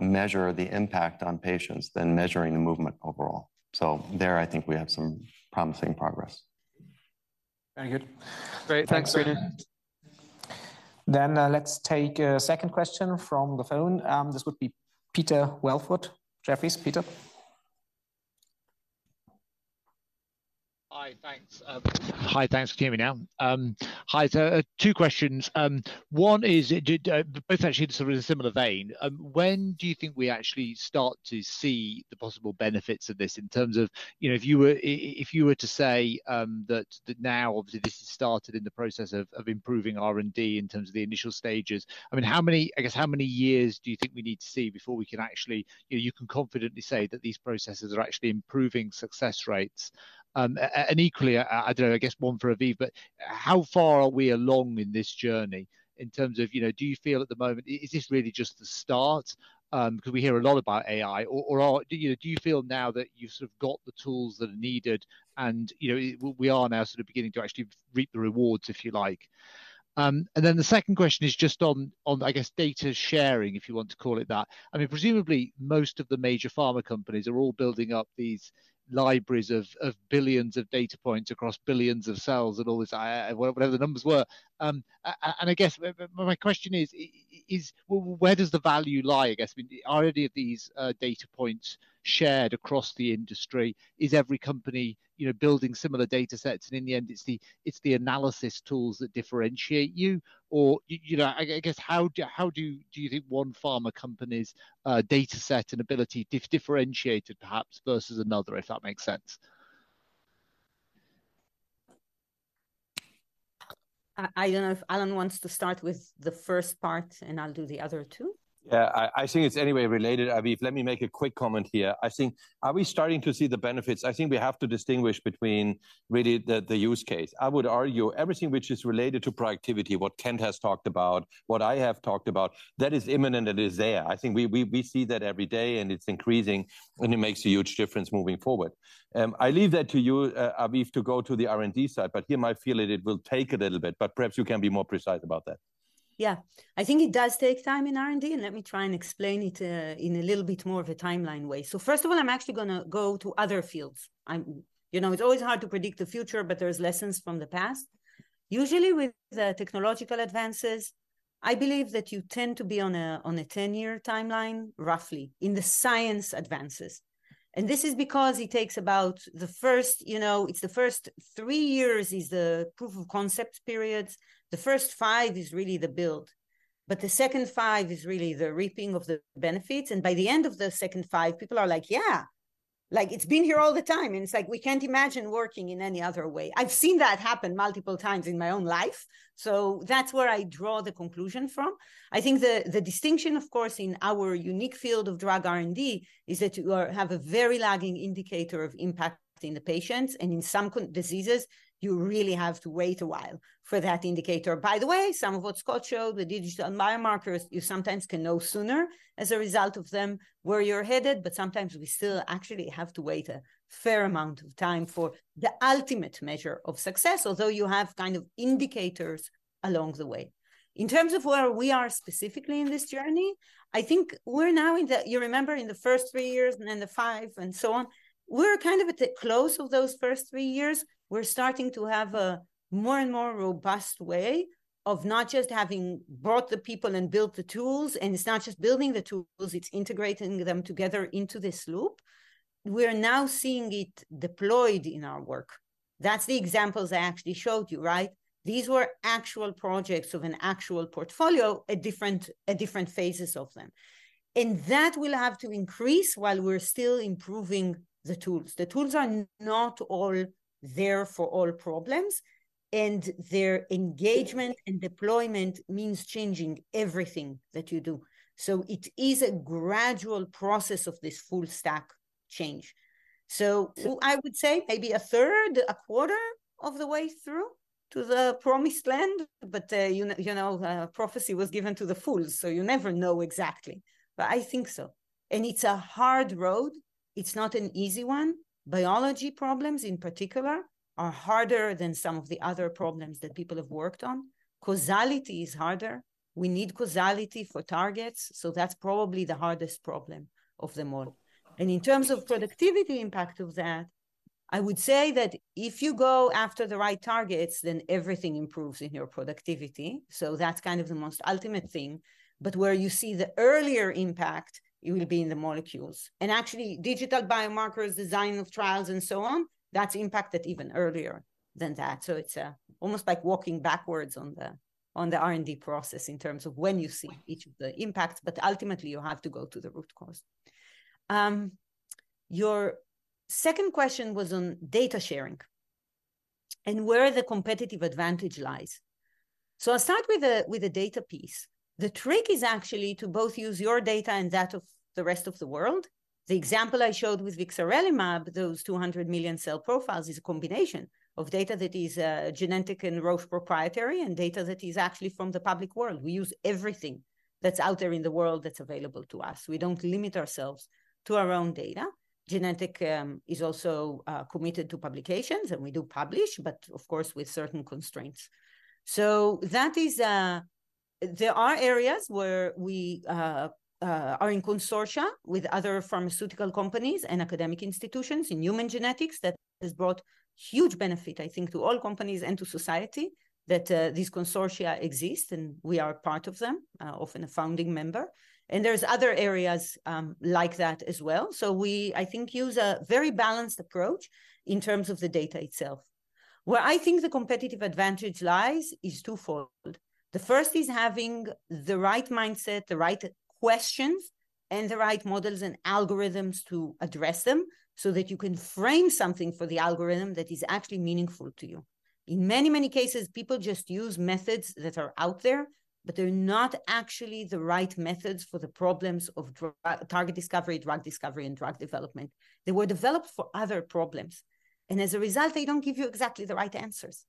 measure the impact on patients than measuring the movement overall? So there, I think we have some promising progress. Very good. Great. Thanks, Bruno. Then, let's take a second question from the phone. This would be Peter Welford. Jefferies. Peter? Hi, thanks for hearing me now. Hi, so, two questions. One is, do both actually sort of in a similar vein. When do you think we actually start to see the possible benefits of this in terms of if you were, if you were to say, that now, obviously, this has started in the process of improving R&D in terms of the initial stages, I mean, how many, I guess, how many years do you think we need to see before we can actually you can confidently say that these processes are actually improving success rates? And equally, I don't know, I guess one for Aviv, but how far are we along in this journey in terms of do you feel at the moment, is this really just the start? Because we hear a lot about AI. Do you know, do you feel now that you've sort of got the tools that are needed, and we are now sort of beginning to actually reap the rewards, if you like? And then the second question is just on, I guess, data sharing, if you want to call it that. I mean, presumably, most of the major pharma companies are all building up these libraries of billions of data points across billions of cells and all this whatever the numbers were. And I guess my question is, is where does the value lie, I guess? I mean, are any of these data points shared across the industry? Is every company building similar data sets, and in the end, it's the analysis tools that differentiate you? Or I guess, how do you think one pharma company's data set and ability differentiated, perhaps, versus another, if that makes sense? I don't know if Alan wants to start with the first part, and I'll do the other two. Yeah, I think it's anyway related. Aviv, let me make a quick comment here. I think, are we starting to see the benefits? I think we have to distinguish between really the use case. I would argue everything which is related to productivity, what Kent has talked about, what I have talked about, that is imminent, it is there. I think we see that every day, and it's increasing, and it makes a huge difference moving forward. I leave that to you, Aviv, to go to the R&D side, but he might feel it, it will take a little bit, but perhaps you can be more precise about that. Yeah. I think it does take time in R&D, and let me try and explain it in a little bit more of a timeline way. So first of all, I'm actually gonna go to other fields. I'm— You know, it's always hard to predict the future, but there's lessons from the past. Usually, with the technological advances, I believe that you tend to be on a, on a 10-year timeline, roughly, in the science advances. And this is because it takes about the first it's the first 3 years is the proof of concept periods. The first 5 is really the build, but the second 5 is really the reaping of the benefits, and by the end of the second 5, people are like: "Yeah," like, "it's been here all the time," and it's like: "We can't imagine working in any other way." I've seen that happen multiple times in my own life, so that's where I draw the conclusion from. I think the distinction, of course, in our unique field of drug R&D, is that you have a very lagging indicator of impact in the patients, and in some diseases, you really have to wait a while for that indicator. By the way, some of what Scott showed, the digital biomarkers, you sometimes can know sooner as a result of them, where you're headed, but sometimes we still actually have to wait a fair amount of time for the ultimate measure of success, although you have kind of indicators along the way. In terms of where we are specifically in this journey, I think we're now in the... You remember in the first three years, and then the five, and so on. We're kind of at the close of those first three years. We're starting to have a more and more robust way of not just having brought the people and built the tools, and it's not just building the tools, it's integrating them together into this loop. We are now seeing it deployed in our work. That's the examples I actually showed you, right? These were actual projects of an actual portfolio at different, at different phases of them. That will have to increase while we're still improving the tools. The tools are not all there for all problems, and their engagement and deployment means changing everything that you do. It is a gradual process of this full stack change. I would say maybe a third, a quarter of the way through to the promised land, but prophecy was given to the fools, so you never know exactly. I think so. It's a hard road. It's not an easy one. Biology problems, in particular, are harder than some of the other problems that people have worked on. Causality is harder. We need causality for targets, so that's probably the hardest problem of them all. And in terms of productivity impact of that, I would say that if you go after the right targets, then everything improves in your productivity, so that's kind of the most ultimate thing. But where you see the earlier impact, it will be in the molecules. And actually, digital biomarkers, design of trials, and so on, that's impacted even earlier than that. So it's almost like walking backwards on the R&D process in terms of when you see each of the impacts, but ultimately you have to go to the root cause. Your second question was on data sharing and where the competitive advantage lies. So I'll start with the data piece. The trick is actually to both use your data and that of the rest of the world. The example I showed with vixarelimab, those 200 million cell profiles, is a combination of data that is genetic and Roche proprietary, and data that is actually from the public world. We use everything that's out there in the world that's available to us. We don't limit ourselves to our own data. Genentech is also committed to publications, and we do publish, but of course, with certain constraints. So that is... There are areas where we are in consortia with other pharmaceutical companies and academic institutions in human genetics. That has brought huge benefit, I think, to all companies and to society, that these consortia exist, and we are part of them, often a founding member. And there's other areas like that as well. So we, I think, use a very balanced approach in terms of the data itself. Where I think the competitive advantage lies is twofold. The first is having the right mindset, the right questions and the right models and algorithms to address them, so that you can frame something for the algorithm that is actually meaningful to you. In many, many cases, people just use methods that are out there, but they're not actually the right methods for the problems of drug discovery, target discovery, drug discovery, and drug development. They were developed for other problems, and as a result, they don't give you exactly the right answers.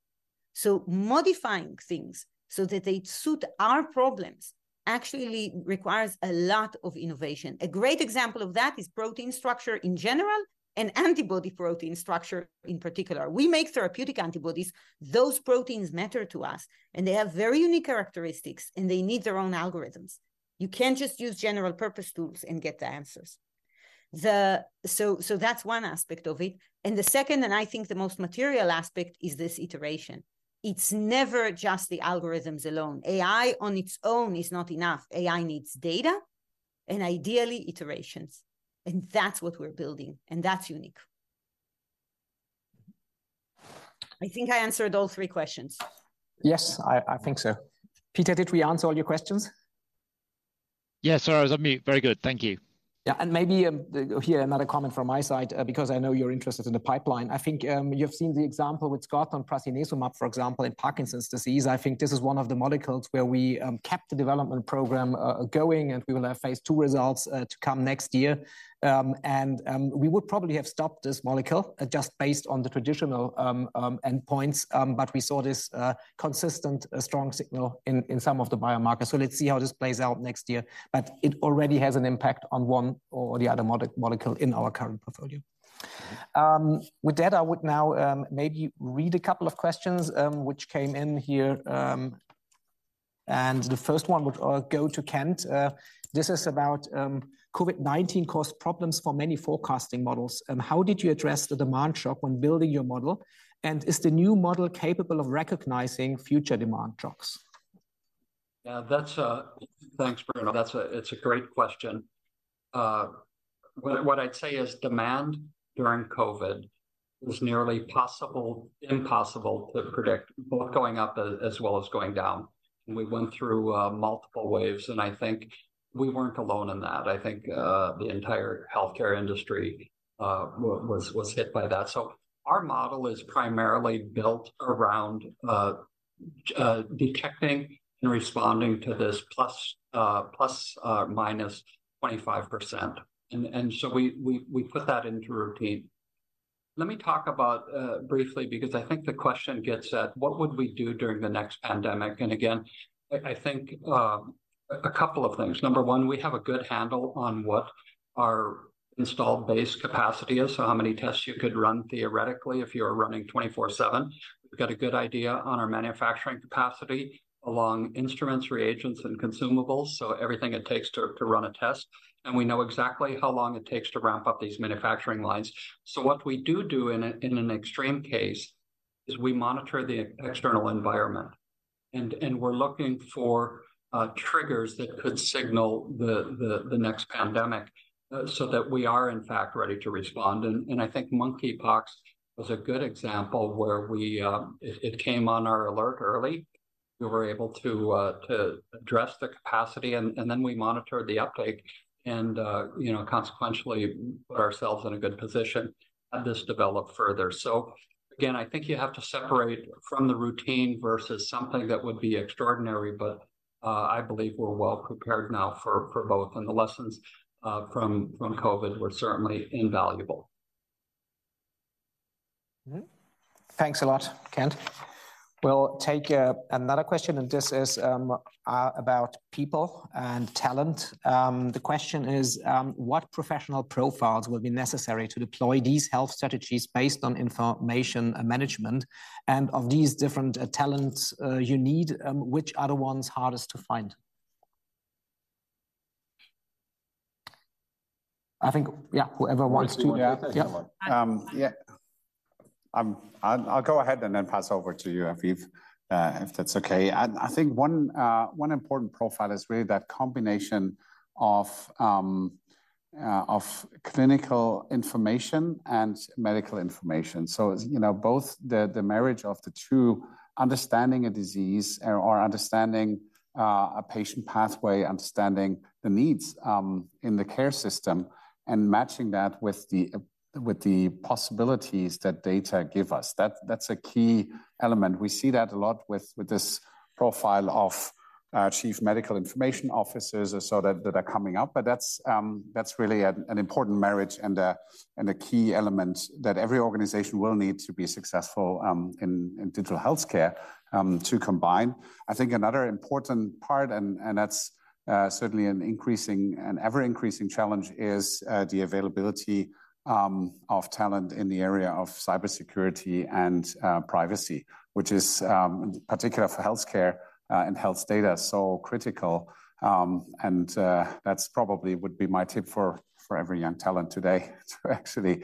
So modifying things so that they suit our problems actually requires a lot of innovation. A great example of that is protein structure in general, and antibody protein structure in particular. We make therapeutic antibodies. Those proteins matter to us, and they have very unique characteristics, and they need their own algorithms. You can't just use general purpose tools and get the answers. So that's one aspect of it, and the second, and I think the most material aspect, is this iteration. It's never just the algorithms alone. AI on its own is not enough. AI needs data and ideally iterations, and that's what we're building, and that's unique. I think I answered all three questions. Yes, I think so. Peter, did we answer all your questions? Yes, sorry, I was on mute. Very good. Thank you. Yeah, and maybe, here, another comment from my side, because I know you're interested in the pipeline. I think, you've seen the example with Scott on prasinezumab, for example, in Parkinson's disease. I think this is one of the molecules where we, kept the development program, going, and we will have phase two results, to come next year. And, we would probably have stopped this molecule just based on the traditional, endpoints, but we saw this, consistent strong signal in, in some of the biomarkers. So let's see how this plays out next year, but it already has an impact on one or the other molecule in our current portfolio. With that, I would now maybe read a couple of questions which came in here, and the first one would go to Kent. This is about COVID-19 caused problems for many forecasting models. How did you address the demand shock when building your model, and is the new model capable of recognizing future demand shocks? Yeah, that's. Thanks, Bruno. That's it's a great question. What I'd say is demand during COVID was nearly impossible to predict, both going up as well as going down. We went through multiple waves, and I think we weren't alone in that. I think the entire healthcare industry was hit by that. So our model is primarily built around detecting and responding to this plus minus 25%, and so we put that into routine. Let me talk about briefly, because I think the question gets at what would we do during the next pandemic? And again, I think a couple of things. Number one, we have a good handle on what our installed base capacity is, so how many tests you could run theoretically if you were running 24/7. We've got a good idea on our manufacturing capacity along instruments, reagents, and consumables, so everything it takes to run a test, and we know exactly how long it takes to ramp up these manufacturing lines. So what we do in an extreme case is we monitor the external environment, and we're looking for triggers that could signal the next pandemic, so that we are, in fact, ready to respond. And I think monkeypox was a good example where it came on our alert early. We were able to to address the capacity, and then we monitored the uptake and consequentially put ourselves in a good position as this developed further. So again, I think you have to separate from the routine versus something that would be extraordinary, but I believe we're well prepared now for both, and the lessons from COVID were certainly invaluable. Thanks a lot, Kent. We'll take another question, and this is about people and talent. The question is: "What professional profiles will be necessary to deploy these health strategies based on information and management? And of these different talents you need, which are the ones hardest to find?" I think, yeah, whoever wants to- Yeah. I'll go ahead and then pass over to you, Aviv, if that's okay. I think one important profile is really that combination of clinical information and medical information. so both the marriage of the two, understanding a disease or understanding a patient pathway, understanding the needs in the care system, and matching that with the possibilities that data give us. That's a key element. We see that a lot with this profile of chief medical information officers that are coming up, but that's really an important marriage and a key element that every organization will need to be successful in digital healthcare to combine. I think another important part, and that's certainly an ever-increasing challenge, is the availability of talent in the area of cybersecurity and privacy, which is particular for healthcare and health data, so critical. And that's probably would be my tip for every young talent today, to actually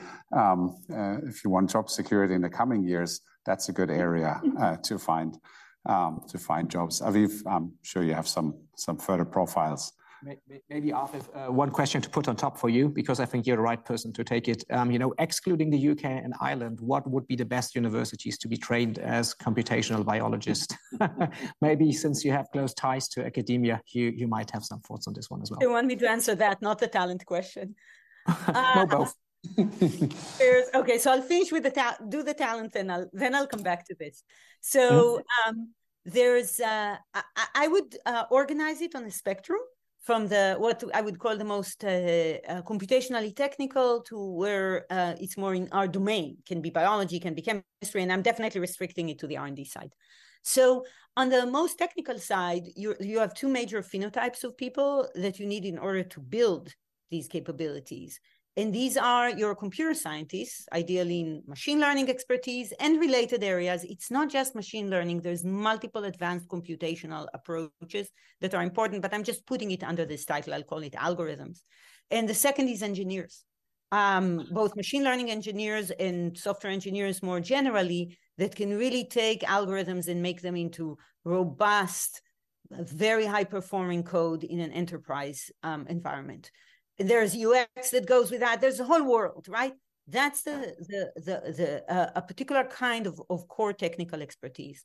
if you want job security in the coming years, that's a good area to find, to find jobs. Aviv, I'm sure you have some, some further profiles. Maybe, Aviv, one question to put on top for you, because I think you're the right person to take it. You know, excluding the U.K. and Ireland, what would be the best universities to be trained as computational biologist? Maybe since you have close ties to academia, you might have some thoughts on this one as well. You want me to answer that, not the talent question? No, both. Okay, so I'll finish with the talent, then I'll come back to this. So, I would organize it on a spectrum from what I would call the most computationally technical to where it's more in our domain. Can be biology, can be chemistry, and I'm definitely restricting it to the R&D side. So on the most technical side, you have two major phenotypes of people that you need in order to build these capabilities, and these are your computer scientists, ideally in machine learning expertise and related areas. It's not just machine learning. There's multiple advanced computational approaches that are important, but I'm just putting it under this title. I'll call it algorithms. And the second is engineers. Both machine learning engineers and software engineers more generally that can really take algorithms and make them into robust, very high-performing code in an enterprise environment. There's UX that goes with that. There's a whole world, right? That's a particular kind of core technical expertise.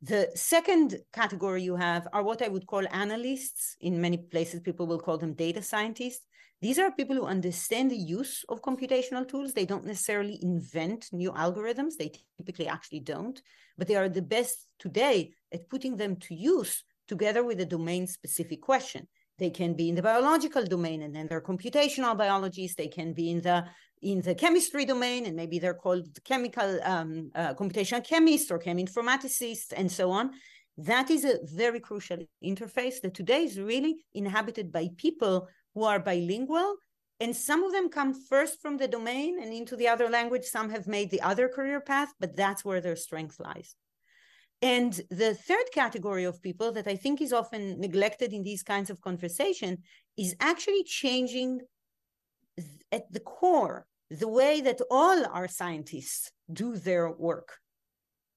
The second category you have are what I would call analysts. In many places, people will call them data scientists. These are people who understand the use of computational tools. They don't necessarily invent new algorithms. They typically actually don't, but they are the best today at putting them to use together with a domain-specific question. They can be in the biological domain, and then they're computational biologists. They can be in the chemistry domain, and maybe they're called chemical computational chemists or cheminformaticists, and so on. That is a very crucial interface that today is really inhabited by people who are bilingual, and some of them come first from the domain and into the other language. Some have made the other career path, but that's where their strength lies. And the third category of people that I think is often neglected in these kinds of conversation is actually changing, at the core, the way that all our scientists do their work.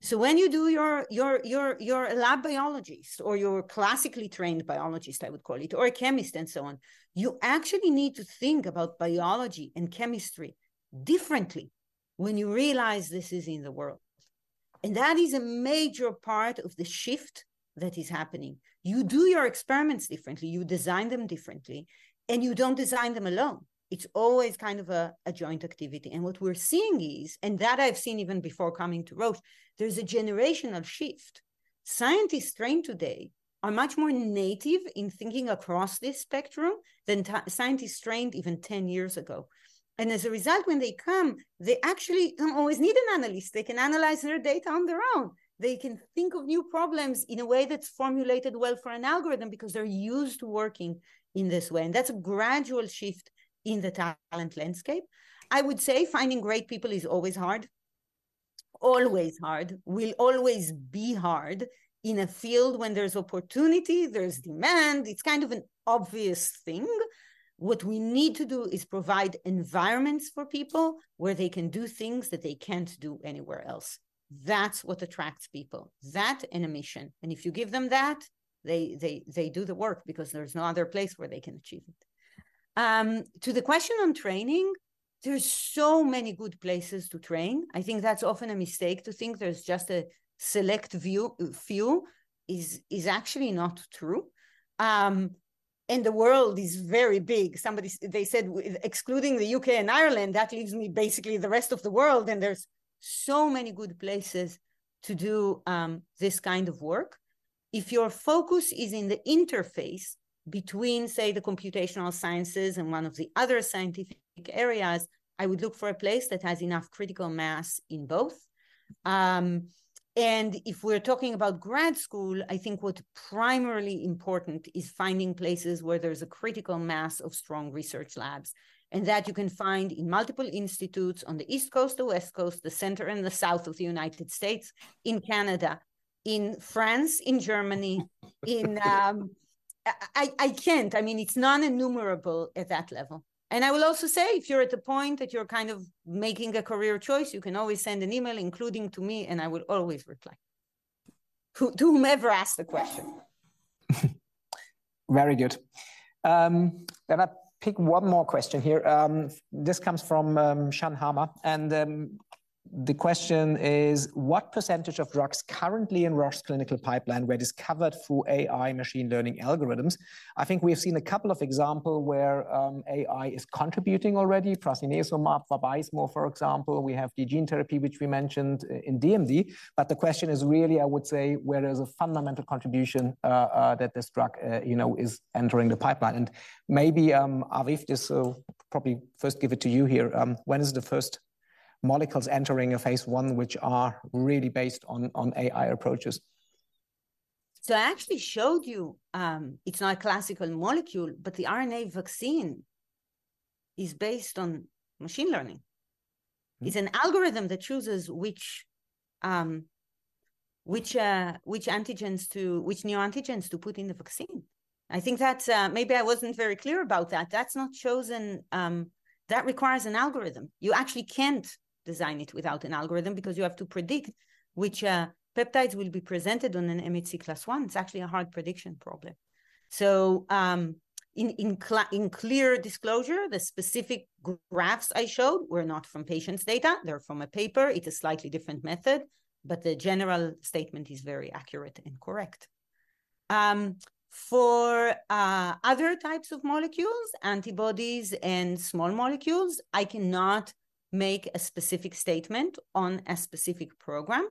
So when you do your lab biologist or your classically trained biologist, I would call it, or a chemist and so on, you actually need to think about biology and chemistry differently when you realize this is in the world, and that is a major part of the shift that is happening. You do your experiments differently, you design them differently, and you don't design them alone. It's always kind of a joint activity. And what we're seeing is, and that I've seen even before coming to Roche, there's a generational shift. Scientists trained today are much more native in thinking across this spectrum than scientists trained even 10 years ago. And as a result, when they come, they actually don't always need an analyst. They can analyze their data on their own. They can think of new problems in a way that's formulated well for an algorithm because they're used to working in this way, and that's a gradual shift in the talent landscape. I would say finding great people is always hard. Always hard, will always be hard. In a field, when there's opportunity, there's demand, it's kind of an obvious thing. What we need to do is provide environments for people where they can do things that they can't do anywhere else. That's what attracts people, that and a mission. If you give them that, they do the work because there's no other place where they can achieve it. To the question on training, there's so many good places to train. I think that's often a mistake, to think there's just a select few is actually not true. And the world is very big. Somebody said, "Excluding the U.K. and Ireland, that leaves me basically the rest of the world," and there's so many good places to do this kind of work. If your focus is in the interface between, say, the computational sciences and one of the other scientific areas, I would look for a place that has enough critical mass in both. If we're talking about grad school, I think what's primarily important is finding places where there's a critical mass of strong research labs, and that you can find in multiple institutes on the East Coast, the West Coast, the center, and the South of the United States, in Canada, in France, in Germany... I can't. I mean, it's non-enumerable at that level. I will also say, if you're at the point that you're kind of making a career choice, you can always send an email, including to me, and I would always reply to whomever asked the question. Very good. Let me pick one more question here. This comes from Sean Hammer, and the question is: "What percentage of drugs currently in Roche's clinical pipeline were discovered through AI machine learning algorithms?" I think we have seen a couple of example where AI is contributing already, prasinezumab, Vabysmo, for example. We have the gene therapy, which we mentioned, in DMD. But the question is really, I would say, where is the fundamental contribution that this drug is entering the pipeline? And maybe, Aviv, this probably first give it to you here. When is the first molecules entering a phase I which are really based on AI approaches? I actually showed you. It's not a classical molecule, but the RNA vaccine is based on machine learning. It's an algorithm that chooses which new antigens to put in the vaccine. I think that, maybe I wasn't very clear about that. That's not chosen. That requires an algorithm. You actually can't design it without an algorithm, because you have to predict which peptides will be presented on an MHC class I. It's actually a hard prediction problem. So, in clear disclosure, the specific graphs I showed were not from patients' data. They're from a paper. It's a slightly different method, but the general statement is very accurate and correct. For other types of molecules, antibodies, and small molecules, I cannot make a specific statement on a specific program.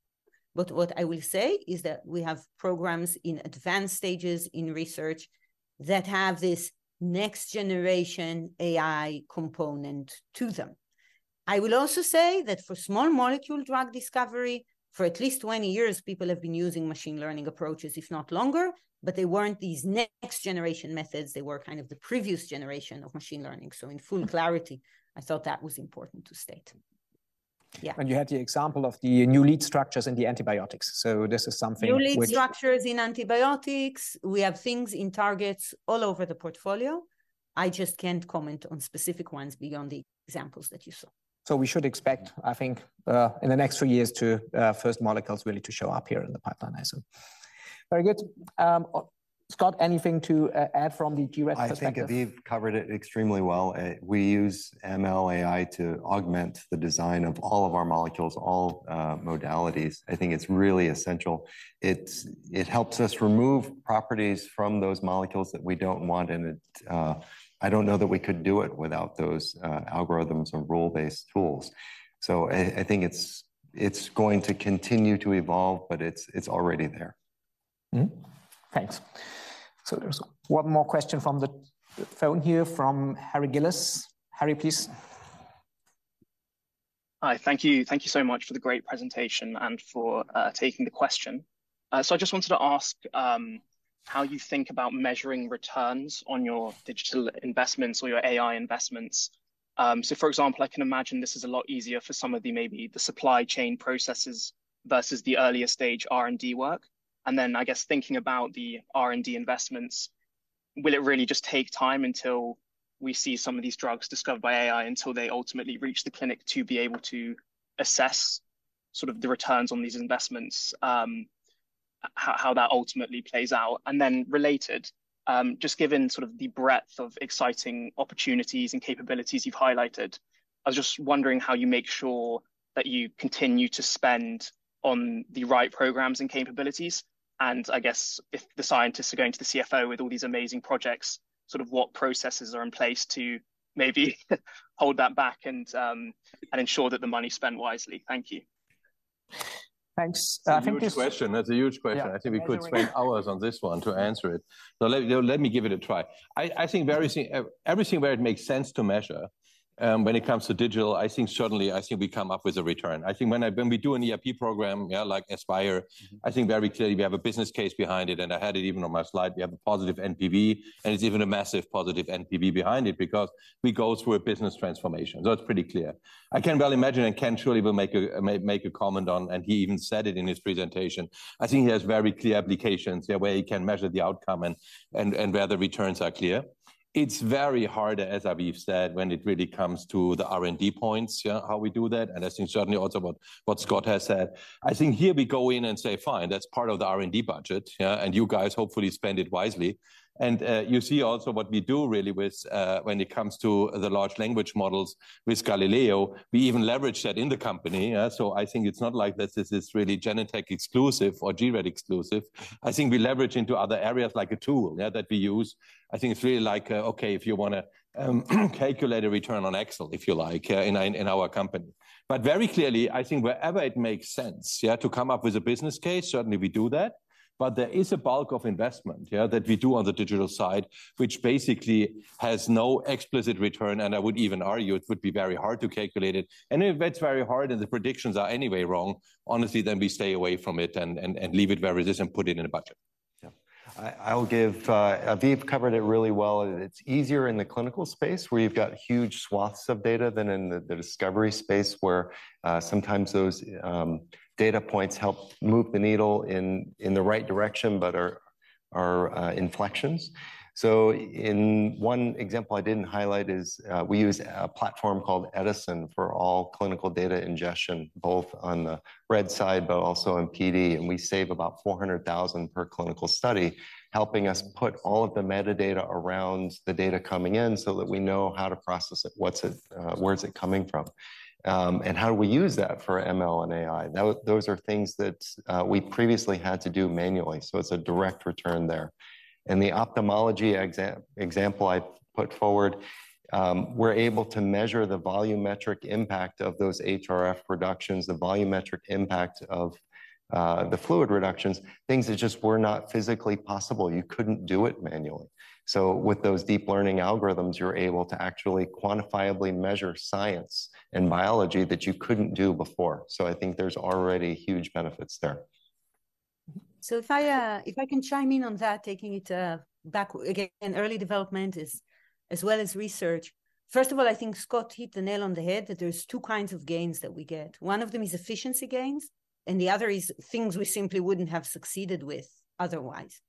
But what I will say is that we have programs in advanced stages in research that have this next generation AI component to them. I will also say that for small molecule drug discovery, for at least 20 years, people have been using machine learning approaches, if not longer, but they weren't these next generation methods. They were kind of the previous generation of machine learning. So in full clarity, I thought that was important to state. Yeah. You had the example of the new lead structures in the antibiotics. This is something which- New lead structures in antibiotics. We have things in targets all over the portfolio. I just can't comment on specific ones beyond the examples that you saw. So we should expect, I think, in the next few years to first molecules really to show up here in the pipeline, I assume. Very good. Scott, anything to add from the gRED perspective? I think Aviv covered it extremely well. We use ML AI to augment the design of all of our molecules, all, modalities. I think it's really essential. It helps us remove properties from those molecules that we don't want, and it, I don't know that we could do it without those, algorithms and rule-based tools. So I think it's going to continue to evolve, but it's already there. Thanks. So there's one more question from the phone here from Harry Gillis. Harry, please. Hi. Thank you. Thank you so much for the great presentation and for taking the question. So I just wanted to ask how you think about measuring returns on your digital investments or your AI investments. So for example, I can imagine this is a lot easier for some of the, maybe the supply chain processes versus the earlier stage R&D work. And then, I guess thinking about the R&D investments, will it really just take time until we see some of these drugs discovered by AI, until they ultimately reach the clinic to be able to assess sort of the returns on these investments? How that ultimately plays out. Then related, just given sort of the breadth of exciting opportunities and capabilities you've highlighted, I was just wondering how you make sure that you continue to spend on the right programs and capabilities. And I guess if the scientists are going to the CFO with all these amazing projects, sort of what processes are in place to maybe hold that back and ensure that the money is spent wisely? Thank you. Thanks. I think this- Huge question. That's a huge question. Yeah. I think we could spend hours on this one to answer it. So let me give it a try. I think very soon—everything where it makes sense to measure, when it comes to digital, I think certainly, I think we come up with a return. I think when we do an ERP program, yeah, like Aspire, I think very clearly we have a business case behind it, and I had it even on my slide. We have a positive NPV, and it's even a massive positive NPV behind it because we go through a business transformation. So it's pretty clear. I can well imagine, and Ken surely will make a comment on, and he even said it in his presentation. I think he has very clear applications, yeah, where he can measure the outcome and where the returns are clear. It's very hard, as Aviv said, when it really comes to the R&D points, yeah, how we do that, and I think certainly also what Scott has said. I think here we go in and say: "Fine, that's part of the R&D budget," yeah, "and you guys hopefully spend it wisely." And you see also what we do really with when it comes to the large language models with Galileo; we even leverage that in the company. So I think it's not like this is this really Genentech exclusive or gRED exclusive. I think we leverage into other areas like a tool, yeah, that we use. I think it's really like, okay, if you wanna calculate a return on Excel, if you like, in our company. But very clearly, I think wherever it makes sense, yeah, to come up with a business case, certainly we do that. But there is a bulk of investment, yeah, that we do on the digital side, which basically has no explicit return, and I would even argue it would be very hard to calculate it. And if it's very hard and the predictions are anyway wrong, honestly, then we stay away from it and leave it where it is and put it in a budget. Yeah. I will give... Aviv covered it really well. It's easier in the clinical space, where you've got huge swaths of data than in the, the discovery space, where, sometimes those, data points help move the needle in, in the right direction, but are, are, inflections. So in one example I didn't highlight is, we use a platform called Edison for all clinical data ingestion, both on the pRED side, but also in PD, and we save about 400,000 per clinical study, helping us put all of the metadata around the data coming in so that we know how to process it, what's it, where's it coming from, and how do we use that for ML and AI. Those, those are things that, we previously had to do manually, so it's a direct return there. The ophthalmology example I put forward, we're able to measure the volumetric impact of those HRF reductions, the volumetric impact of the fluid reductions, things that just were not physically possible. You couldn't do it manually. So with those deep learning algorithms, you're able to actually quantifiably measure science and biology that you couldn't do before. So I think there's already huge benefits there. So if I can chime in on that, taking it back again, early development is, as well as research. First of all, I think Scott hit the nail on the head, that there's two kinds of gains that we get. One of them is efficiency gains, and the other is things we simply wouldn't have succeeded with otherwise.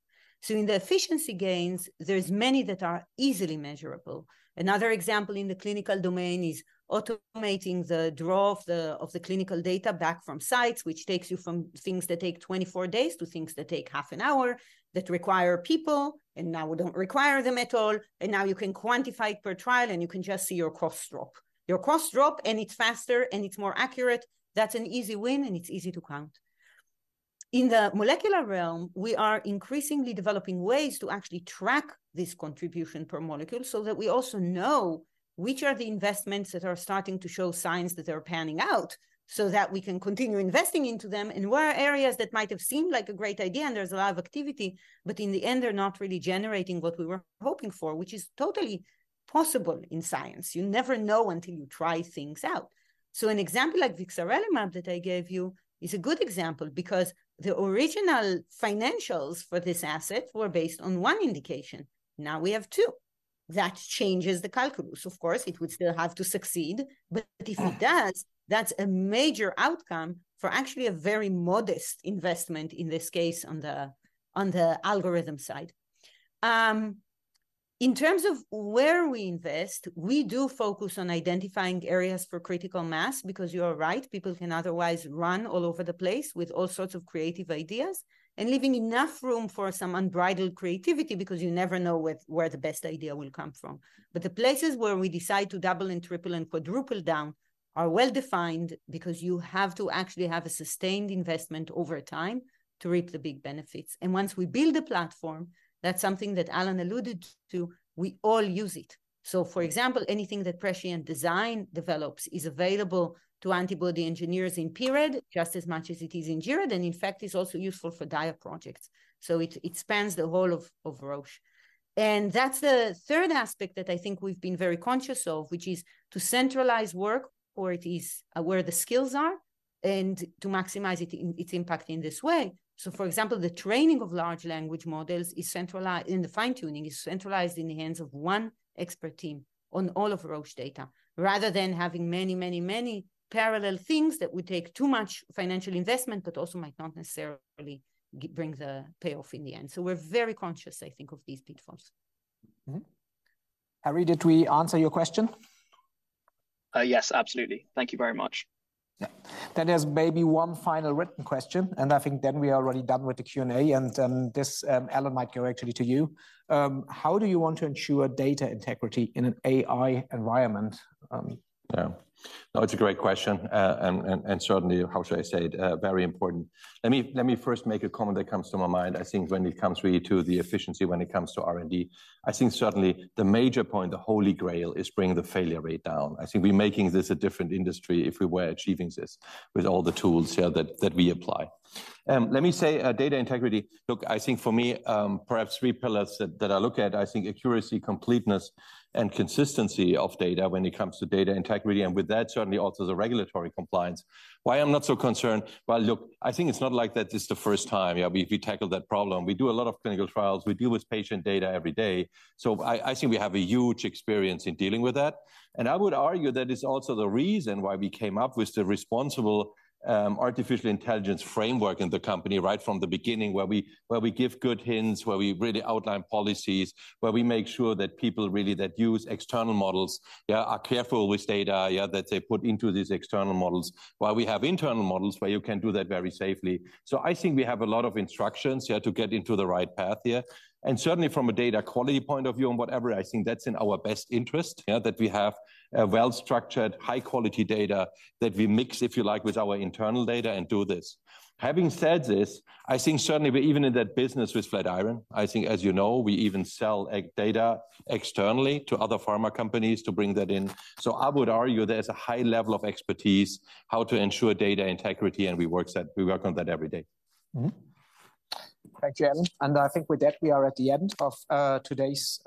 So in the efficiency gains, there's many that are easily measurable. Another example in the clinical domain is automating the draw of the, of the clinical data back from sites, which takes you from things that take 24 days to things that take half an hour, that require people, and now we don't require them at all. And now you can quantify it per trial, and you can just see your costs drop. Your costs drop, and it's faster, and it's more accurate. That's an easy win, and it's easy to count. In the molecular realm, we are increasingly developing ways to actually track this contribution per molecule, so that we also know which are the investments that are starting to show signs that they're panning out, so that we can continue investing into them, and where are areas that might have seemed like a great idea and there's a lot of activity, but in the end, they're not really generating what we were hoping for, which is totally possible in science. You never know until you try things out. So an example like vixarelimab that I gave you is a good example, because the original financials for this asset were based on one indication. Now we have two. That changes the calculus. Of course, it would still have to succeed, but if it does, that's a major outcome for actually a very modest investment, in this case, on the algorithm side. In terms of where we invest, we do focus on identifying areas for critical mass, because you are right, people can otherwise run all over the place with all sorts of creative ideas, and leaving enough room for some unbridled creativity, because you never know where the best idea will come from. But the places where we decide to double and triple and quadruple down are well-defined because you have to actually have a sustained investment over time to reap the big benefits. And once we build a platform, that's something that Alan alluded to, we all use it. So, for example, anything that Prescient Design develops is available to antibody engineers in gRED just as much as it is in gRED, and in fact, is also useful for DIA projects. So it, it spans the whole of, of Roche. And that's the third aspect that I think we've been very conscious of, which is to centralize work where it is, where the skills are, and to maximize its impact in this way. So, for example, the training of large language models is centralized, and the fine-tuning, is centralized in the hands of one expert team on all of Roche data, rather than having many, many, many parallel things that would take too much financial investment, but also might not necessarily bring the payoff in the end. So we're very conscious, I think, of these pitfalls. Harry, did we answer your question? Yes, absolutely. Thank you very much. Yeah. Then there's maybe one final written question, and I think then we are already done with the Q&A, and, this, Alan, might go actually to you. How do you want to ensure data integrity in an AI environment? Yeah. No, it's a great question. And certainly, how should I say it? Very important. Let me first make a comment that comes to my mind. I think when it comes really to the efficiency, when it comes to R&D, I think certainly the major point, the holy grail, is bringing the failure rate down. I think we're making this a different industry if we were achieving this with all the tools here that we apply. Let me say, data integrity. Look, I think for me, perhaps three pillars that I look at. I think accuracy, completeness, and consistency of data when it comes to data integrity, and with that, certainly also the regulatory compliance. Why I'm not so concerned? Well, look, I think it's not like that is the first time we tackled that problem. We do a lot of clinical trials. We deal with patient data every day, so I, I think we have a huge experience in dealing with that. And I would argue that it's also the reason why we came up with the responsible artificial intelligence framework in the company right from the beginning, where we, where we give good hints, where we really outline policies, where we make sure that people really, that use external models, yeah, are careful with data, yeah, that they put into these external models, while we have internal models where you can do that very safely. So I think we have a lot of instructions, yeah, to get into the right path here. Certainly from a data quality point of view and whatever, I think that's in our best interest, yeah, that we have a well-structured, high-quality data that we mix, if you like, with our internal data and do this. Having said this, I think certainly we're even in that business with Flatiron. I think, as you know, we even sell e.g., data externally to other pharma companies to bring that in. So I would argue there's a high level of expertise how to ensure data integrity, and we work on that every day. Thank you, Alan. I think with that, we are at the end of today's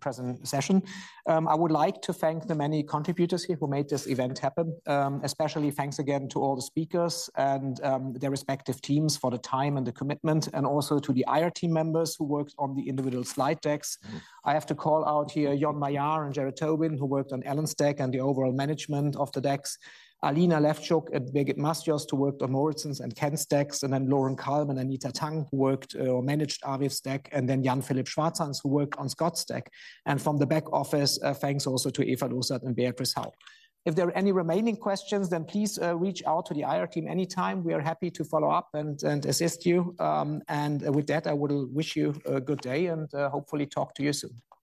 present session. I would like to thank the many contributors here who made this event happen. Especially thanks again to all the speakers and their respective teams for the time and the commitment, and also to the IR team members who worked on the individual slide decks. I have to call out here, Jon Kaspar Bayard and Gerard Tobin, who worked on Alan's deck and the overall management of the decks. Alina Levchuk and Birgit Masjost, who worked on Moritz's and Ken's decks, and then Lauren Kalb and Anita Tang, who worked or managed Aviv's deck, and then Jan-Philipp Schwan, who worked on Scott's deck. From the back office, thanks also to Eva Losert and Beatrice Hau. If there are any remaining questions, then please reach out to the IR team anytime. We are happy to follow up and assist you. And with that, I would wish you a good day and hopefully talk to you soon.